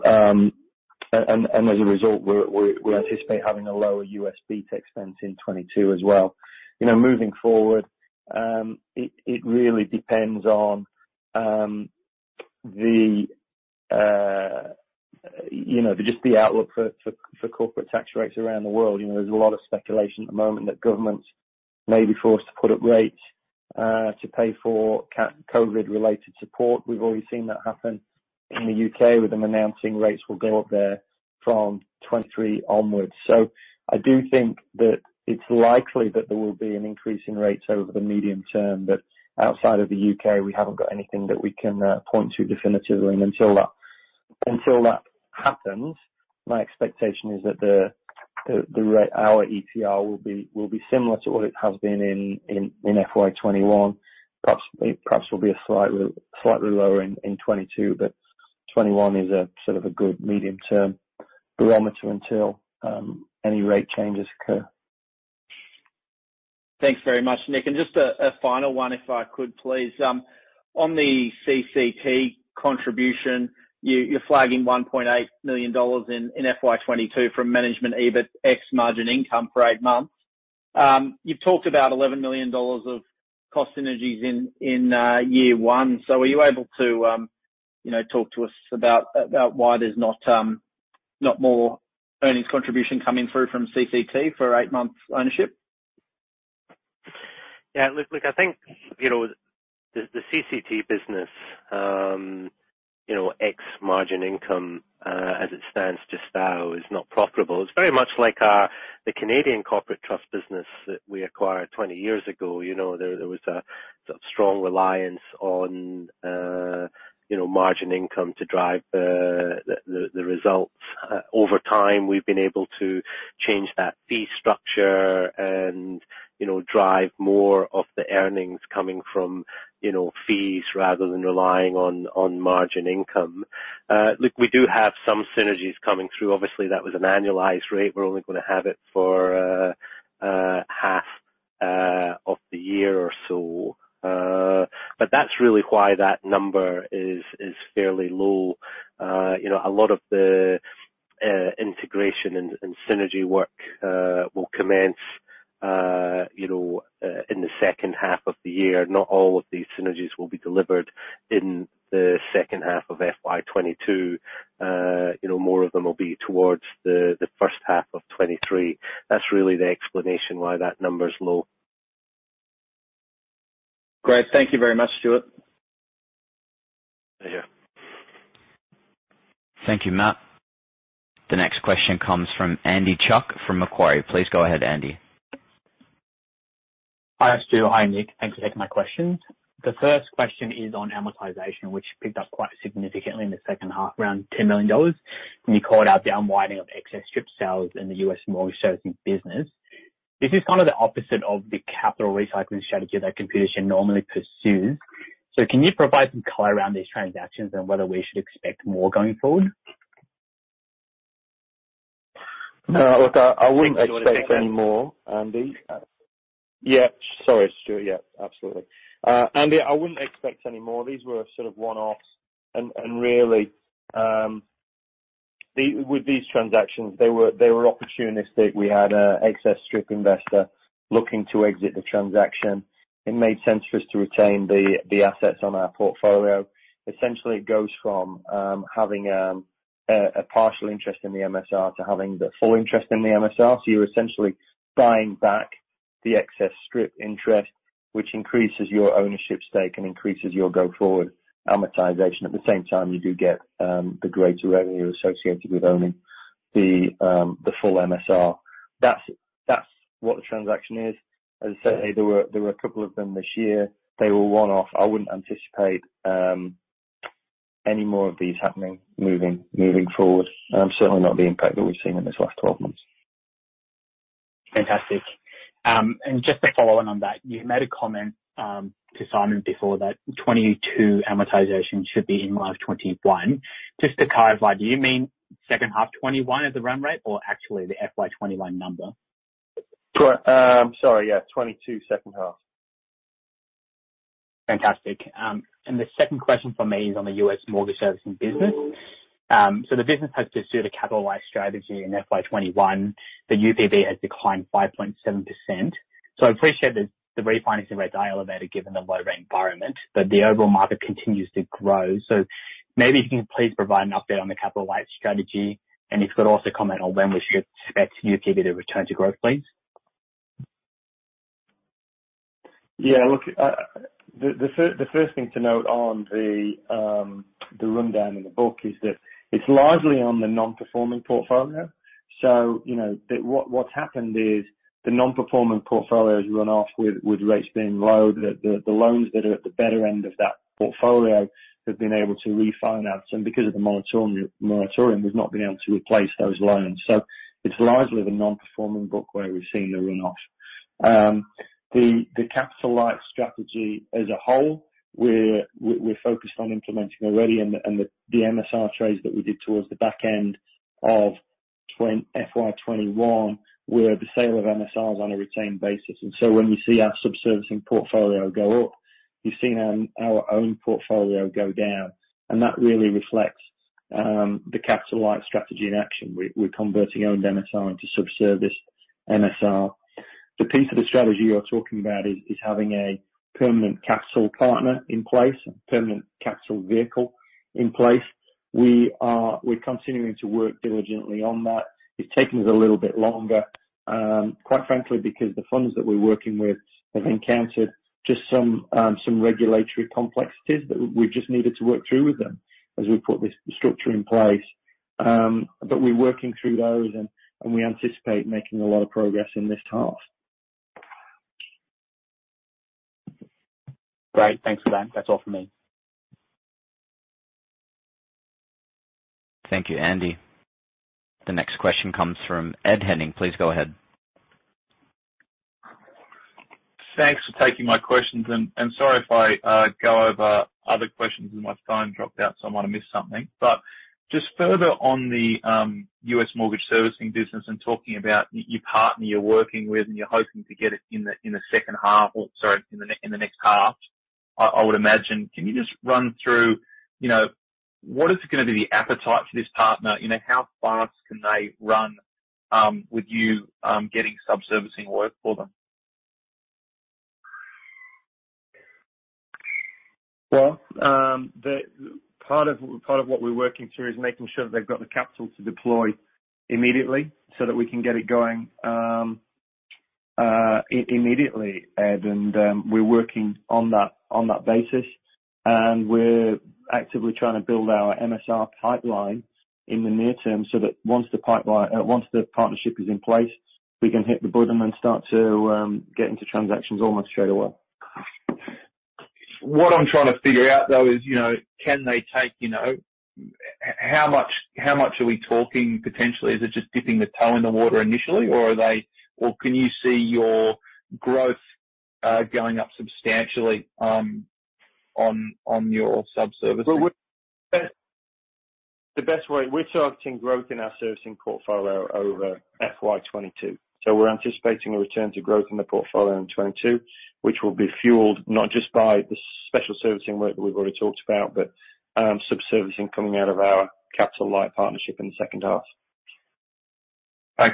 result, we anticipate having a lower U.S. B tax expense in 2022 as well. Moving forward, it really depends on just the outlook for corporate tax rates around the world. There's a lot of speculation at the moment that governments may be forced to put up rates to pay for COVID-related support. We've already seen that happen in the U.K., with them announcing rates will go up there from 2023 onwards. I do think that it's likely that there will be an increase in rates over the medium term. Outside of the U.K., we haven't got anything that we can point to definitively. Until that happens, my expectation is that our ETR will be similar to what it has been in FY 2021, perhaps will be slightly lower in 2022. 2021 is a good medium-term barometer until any rate changes occur. Thanks very much, Nick. Just a final one, if I could please. On the CCT contribution, you're flagging $1.8 million in FY 2022 from management EBIT XMI for eight months. You've talked about $11 million of cost synergies in year one. Are you able to talk to us about why there's not more earnings contribution coming through from CCT for eight months ownership? Yeah. Look, I think the CCT business ex margin income, as it stands just now, is not profitable. It's very much like the Canadian corporate trust business that we acquired 20 years ago. There was a strong reliance on margin income to drive the results. Over time, we've been able to change that fee structure and drive more of the earnings coming from fees rather than relying on margin income. Look, we do have some synergies coming through. Obviously, that was an annualized rate. We're only going to have it for half of the year or so. That's really why that number is fairly low. A lot of the integration and synergy work will commence in the second half of the year. Not all of these synergies will be delivered in the second half of FY 2022. More of them will be towards the first half of 2023. That's really the explanation why that number is low. Great. Thank you very much, Stuart. See you. Thank you, Matt. The next question comes from Andy Chuck from Macquarie. Please go ahead, Andy. Hi, Stuart. Hi, Nick. Thanks for taking my questions. The first question is on amortization, which picked up quite significantly in the second half, around $10 million. You called out down winding of excess strip sales in the U.S. mortgage servicing business. This is kind of the opposite of the capital recycling strategy that Computershare normally pursues. Can you provide some color around these transactions and whether we should expect more going forward? No. Look, I wouldn't expect any more, Andy. Sorry, Stuart. Absolutely. Andy, I wouldn't expect any more. These were sort of one-offs. Really, with these transactions, they were opportunistic. We had an excess strip investor looking to exit the transaction. It made sense for us to retain the assets on our portfolio. Essentially, it goes from having a partial interest in the MSR to having the full interest in the MSR. You're essentially buying back the excess strip interest, which increases your ownership stake and increases your go-forward amortization. At the same time, you do get the greater revenue associated with owning the full MSR. That's what the transaction is. As I said, there were two of them this year. They were one-off. I wouldn't anticipate any more of these happening moving forward. Certainly not the impact that we've seen in this last 12 months. Fantastic. Just to follow on that, you made a comment to Simon before that 2022 amortization should be in FY 2021. Just to clarify, do you mean second half 2021 as the run rate or actually the FY 2021 number? Sorry, yeah. 2022 second half. Fantastic. The second question from me is on the U.S. mortgage servicing business. The business has pursued a capitalized strategy in FY 2021. The UPB has declined 5.7%. I appreciate that the refinancing rates are elevated given the low rate environment, but the overall market continues to grow. Maybe you can please provide an update on the capital light strategy, and if you could also comment on when we should expect UPB to return to growth, please. Look, the first thing to note on the run down in the book is that it's largely on the non-performing portfolio. What's happened is the non-performing portfolio has run off with rates being low. The loans that are at the better end of that portfolio have been able to refinance. Because of the moratorium, we've not been able to replace those loans. It's largely the non-performing book where we've seen a runoff. The capital light strategy as a whole, we're focused on implementing already, and the MSR trades that we did towards the back end of FY 2021 were the sale of MSRs on a retained basis. When you see our subservicing portfolio go up, you've seen our own portfolio go down. That really reflects the capital light strategy in action. We're converting owned MSR into subservice MSR. The piece of the strategy you're talking about is having a permanent capital partner in place, a permanent capital vehicle in place. We're continuing to work diligently on that. It's taking us a little bit longer, quite frankly, because the funds that we're working with have encountered just some regulatory complexities that we just needed to work through with them as we put this structure in place. We're working through those and we anticipate making a lot of progress in this half. Great. Thanks for that. That's all for me. Thank you, Andy. The next question comes from Ed Henning. Please go ahead. Thanks for taking my questions, and sorry if I go over other questions as my phone dropped out, so I might have missed something. Just further on the U.S. mortgage servicing business and talking about your partner you're working with and you're hoping to get it in the second half or, sorry, in the next half, I would imagine. Can you just run through what is going to be the appetite for this partner? How fast can they run with you getting subservicing work for them? Part of what we're working through is making sure that they've got the capital to deploy immediately so that we can get it going immediately, Ed, and we're working on that basis. We're actively trying to build our MSR pipeline in the near term so that once the partnership is in place, we can hit the button and start to get into transactions almost straight away. What I'm trying to figure out, though, is how much are we talking potentially? Is it just dipping the toe in the water initially, or can you see your growth going up substantially on your subservices? The best way, we're targeting growth in our servicing portfolio over FY 2022. We're anticipating a return to growth in the portfolio in 2022, which will be fueled not just by the special servicing work that we've already talked about, but sub servicing coming out of our capital light partnership in the second half. Once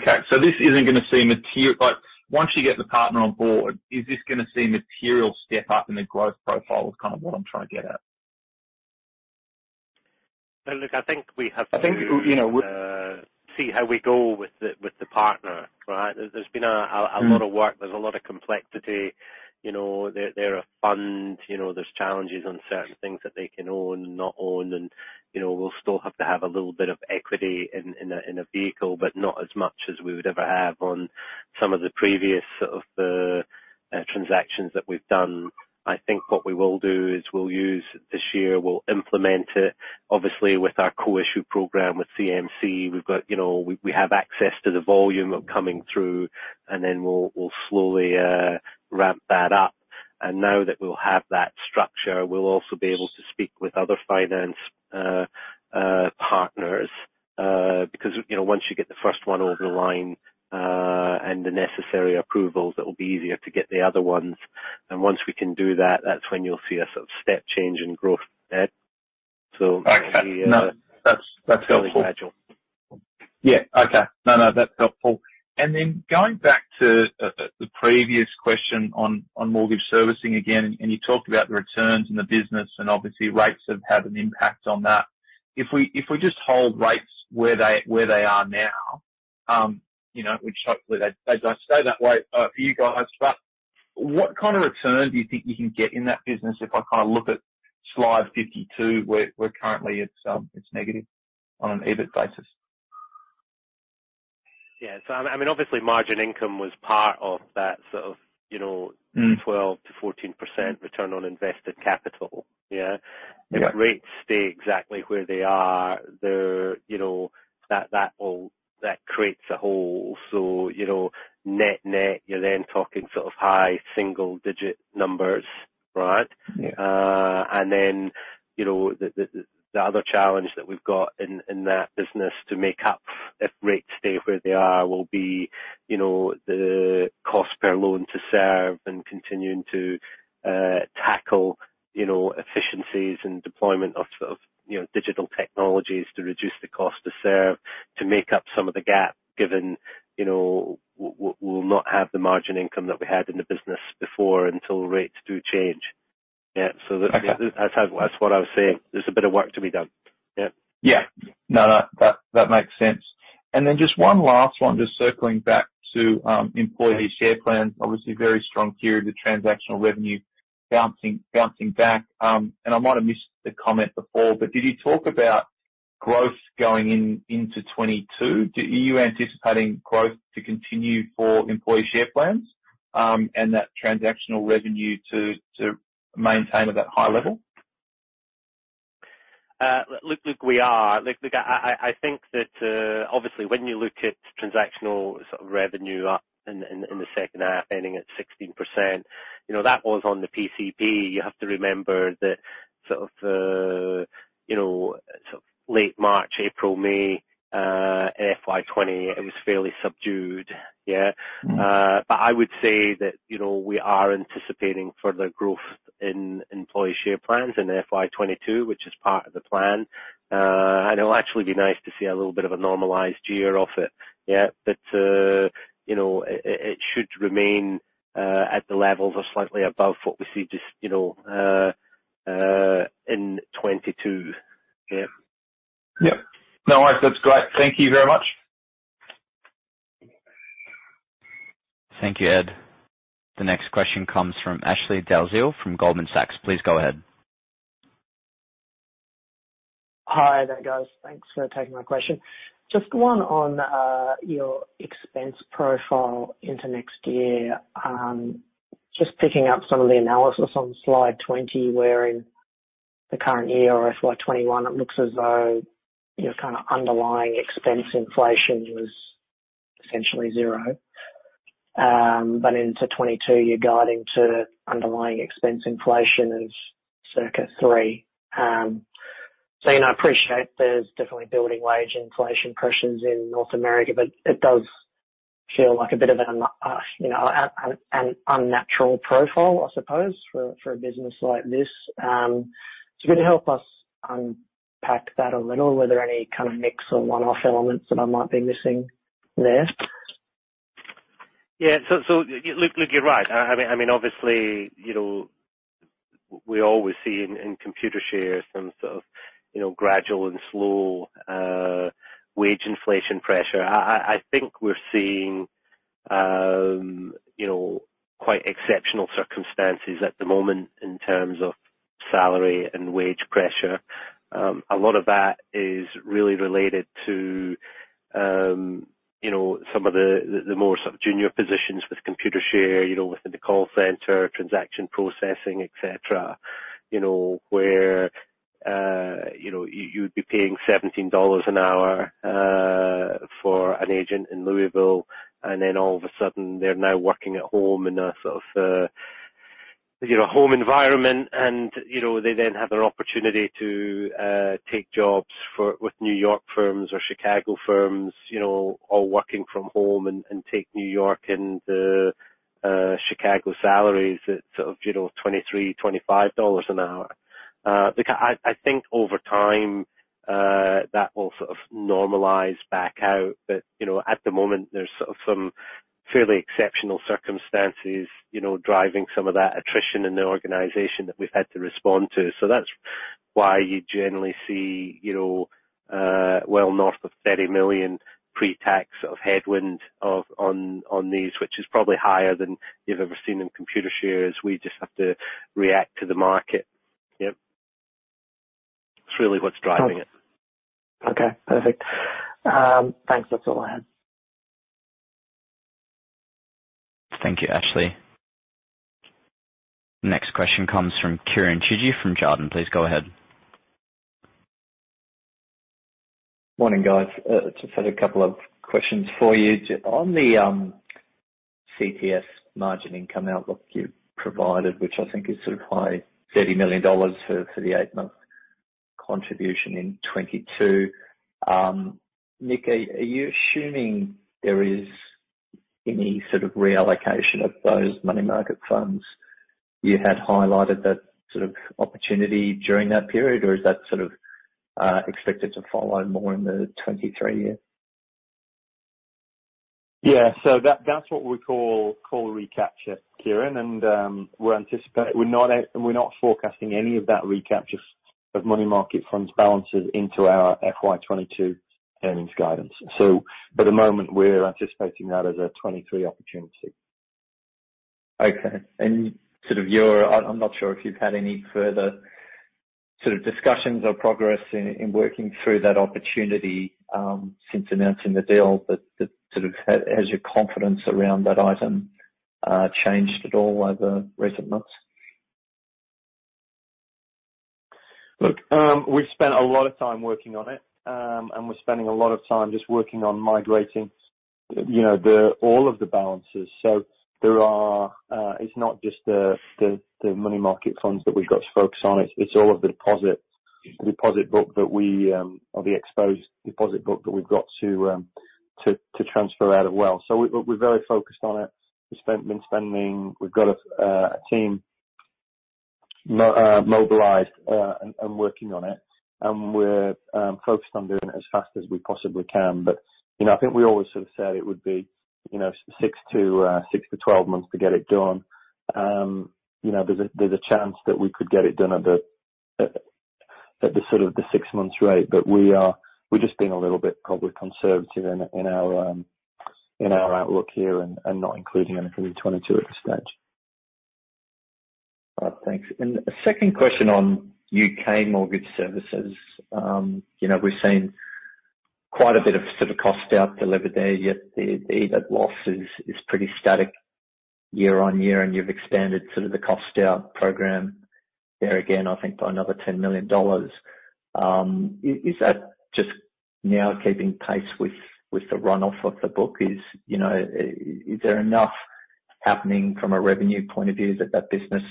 you get the partner on board, is this going to see a material step up in the growth profile is kind of what I am trying to get at? Now look, I think we have to. I think, you know. See how we go with the partner, right? There's been a lot of work. There's a lot of complexity. They're a fund, there's challenges on certain things that they can own and not own, and we'll still have to have a little bit of equity in a vehicle, but not as much as we would ever have on some of the previous transactions that we've done. I think what we will do is we'll use this year, we'll implement it, obviously, with our co-issue program with CMC. We have access to the volume coming through. Then we'll slowly ramp that up. Now that we'll have that structure, we'll also be able to speak with other finance partners. Once you get the first one over the line and the necessary approvals, it'll be easier to get the other ones. Once we can do that's when you'll see a step change in growth, Ed. Okay. No, that's helpful Fairly gradual. Yeah. Okay. No, that's helpful. Going back to the previous question on mortgage servicing again, you talked about the returns and the business, and obviously rates have had an impact on that. If we just hold rates where they are now, which hopefully they stay that way for you guys, what kind of return do you think you can get in that business if I look at slide 52, where currently it's negative on an EBIT basis? Yeah. Obviously, margin income was part of that. 12%-14% return on invested capital. Yeah. Yeah. If rates stay exactly where they are, that creates a hole. Net-net, you're then talking high single-digit numbers, right? Yeah. The other challenge that we've got in that business to make up if rates stay where they are will be the cost per loan to serve and continuing to tackle efficiencies and deployment of digital technologies to reduce the cost to serve, to make up some of the gap, given we'll not have the margin income that we had in the business before until rates do change. Okay. That's what I was saying. There's a bit of work to be done. Yeah. Yeah. No, that makes sense. Just one last one, just circling back to employee share plans. Obviously, very strong period of transactional revenue bouncing back. I might have missed the comment before, but did you talk about growth going into 2022? Are you anticipating growth to continue for employee share plans? That transactional revenue to maintain at that high level? Look, we are. Look, I think that obviously when you look at transactional revenue up in the second half ending at 16%, that was on the PCP. You have to remember that late March, April, May in FY 2020, it was fairly subdued. Yeah. I would say that we are anticipating further growth in employee share plans in FY 2022, which is part of the plan. It'll actually be nice to see a little bit of a normalized year of it. Yeah. It should remain at the levels or slightly above what we see just in 2022. Yeah. Yeah. No worries. That's great. Thank you very much. Thank you, Ed. The next question comes from Ashley Dalziel from Goldman Sachs. Please go ahead. Hi there, guys. Thanks for taking my question. Just 1 on your expense profile into next year. Just picking up some of the analysis on slide 20, where in the current year or FY 2021, it looks as though your underlying expense inflation was essentially zero. Into 2022, you're guiding to underlying expense inflation as circa three. I appreciate there's definitely building wage inflation pressures in North America, but it does feel like a bit of an unnatural profile, I suppose, for a business like this. Could you help us unpack that a little? Were there any kind of mix or one-off elements that I might be missing there? Yeah. Look, you're right. Obviously, we always see in Computershare some sort of gradual and slow wage inflation pressure. I think we're seeing quite exceptional circumstances at the moment in terms of salary and wage pressure. A lot of that is really related to some of the more junior positions with Computershare, within the call center, transaction processing, et cetera, where you'd be paying $17 an hour for an agent in Louisville, then all of a sudden they're now working at home in a home environment. They then have an opportunity to take jobs with New York firms or Chicago firms all working from home and take New York and Chicago salaries at $23, $25 an hour. Look, I think over time, that will normalize back out. At the moment, there's some fairly exceptional circumstances driving some of that attrition in the organization that we've had to respond to. That's why you generally see well north of $30 million pre-tax of headwind on these, which is probably higher than you've ever seen in Computershare as we just have to react to the market. Yep. It's really what's driving it. Okay, perfect. Thanks. That's all I had. Thank you, Ashley Dalziel. Next question comes from Kieren Chidgey from Jarden. Please go ahead. Morning, guys. Just had a couple of questions for you. On the CTS margin income outlook you provided, which I think is sort of high, $30 million for the eight-month contribution in 2022. Nick, are you assuming there is any sort of reallocation of those money market funds you had highlighted that sort of opportunity during that period? Is that sort of expected to follow more in the 2023 year? Yeah. That's what we call recapture, Kieren, and we're not forecasting any of that recapture of money market funds balances into our FY 2022 earnings guidance. For the moment, we're anticipating that as a 2023 opportunity. Okay. I'm not sure if you've had any further sort of discussions or progress in working through that opportunity since announcing the deal, but has your confidence around that item changed at all over recent months? Look, we've spent a lot of time working on it. We're spending a lot of time just working on migrating all of the balances. It's not just the money market funds that we've got to focus on. It's all of the deposit book that we or the exposed deposit book that we've got to transfer out as well. We're very focused on it. We've got a team mobilized and working on it, and we're focused on doing it as fast as we possibly can. I think we always sort of said it would be 6-12 months to get it done. There's a chance that we could get it done at the six months rate, but we're just being a little bit probably conservative in our outlook here and not including anything in 2022 at this stage. Thanks. A second question on U.K. mortgage services. We've seen quite a bit of sort of cost out delivered there, yet the EBITDA loss is pretty static year-on-year, and you've expanded sort of the cost out program there again, I think by another $10 million. Is that just now keeping pace with the runoff of the book? Is there enough happening from a revenue point of view that that business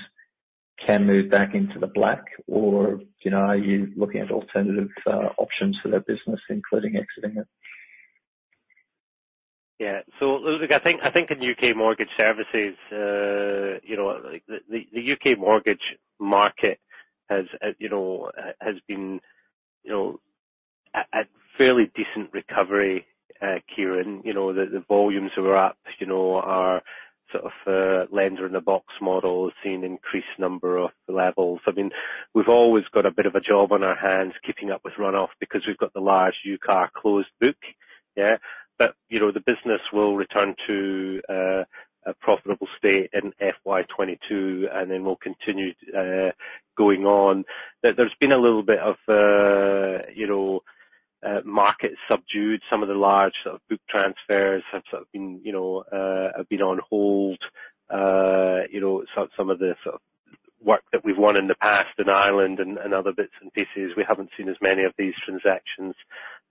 can move back into the black, or are you looking at alternative options for that business, including exiting it? Yeah. Look, I think in U.K. mortgage services, the U.K. mortgage market has been at fairly decent recovery, Kieren. The volumes are up. Our sort of lender-in-a-box model has seen increased number of levels. We've always got a bit of a job on our hands keeping up with runoff because we've got the large UKAR closed book. Yeah. The business will return to a profitable state in FY 2022, and then we'll continue going on. There's been a little bit of market subdued. Some of the large sort of book transfers have been on hold. Some of the sort of work that we've won in the past in Ireland and other bits and pieces, we haven't seen as many of these transactions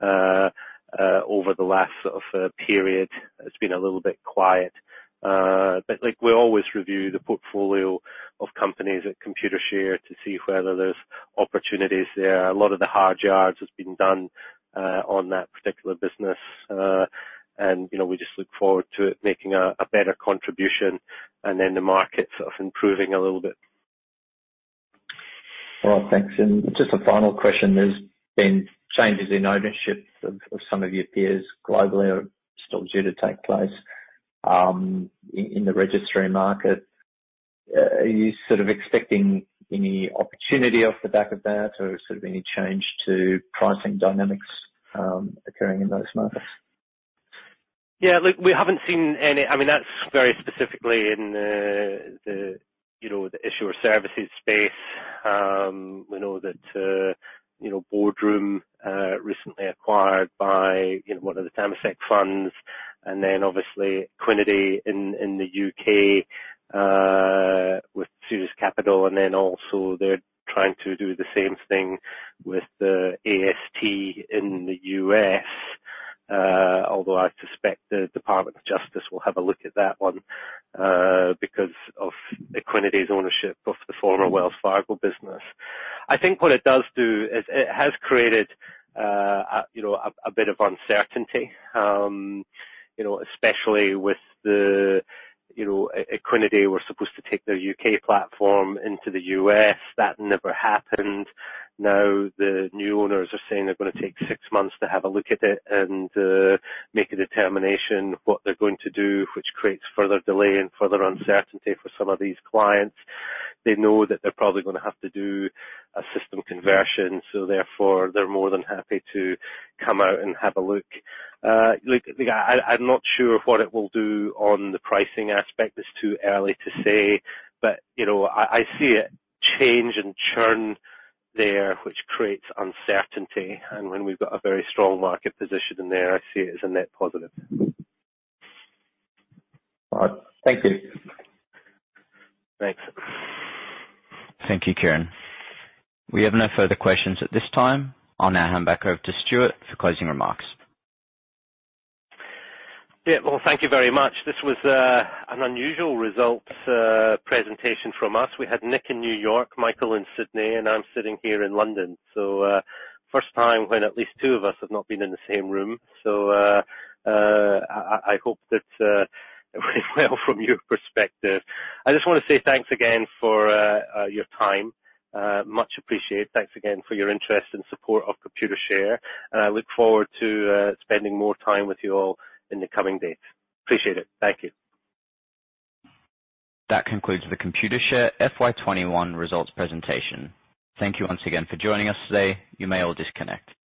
over the last sort of period. It's been a little bit quiet. We always review the portfolio of companies at Computershare to see whether there's opportunities there. A lot of the hard yards has been done on that particular business. We just look forward to it making a better contribution and then the market sort of improving a little bit. Well, thanks. Just a final question. There's been changes in ownership of some of your peers globally are still due to take place in the registry market. Are you sort of expecting any opportunity off the back of that or sort of any change to pricing dynamics occurring in those markets? Yeah. Look, we haven't seen any that's very specifically in the issuer services space. We know that Boardroom recently acquired by one of the Temasek funds. Obviously Equiniti in the U.K. with Siris Capital. Also they're trying to do the same thing with the AST in the U.S., although I suspect the Department of Justice will have a look at that one because of Equiniti's ownership of the former Wells Fargo business. I think what it does do is it has created a bit of uncertainty especially with the Equiniti were supposed to take their U.K. platform into the U.S. That never happened. The new owners are saying they're going to take six months to have a look at it and make a determination of what they're going to do, which creates further delay and further uncertainty for some of these clients. They know that they're probably going to have to do a system conversion, therefore, they're more than happy to come out and have a look. Look, I'm not sure what it will do on the pricing aspect. It's too early to say. I see a change and churn there, which creates uncertainty. When we've got a very strong market position there, I see it as a net positive. All right. Thank you. Thanks. Thank you, Kieren. We have no further questions at this time. I'll now hand back over to Stuart for closing remarks. Yeah. Well, thank you very much. This was an unusual results presentation from us. We had Nick in New York, Michael in Sydney, and I'm sitting here in London. First time when at least two of us have not been in the same room. I hope that it went well from your perspective. I just want to say thanks again for your time. Much appreciated. Thanks again for your interest and support of Computershare, and I look forward to spending more time with you all in the coming days. Appreciate it. Thank you. That concludes the Computershare FY 2021 results presentation. Thank you once again for joining us today. You may all disconnect.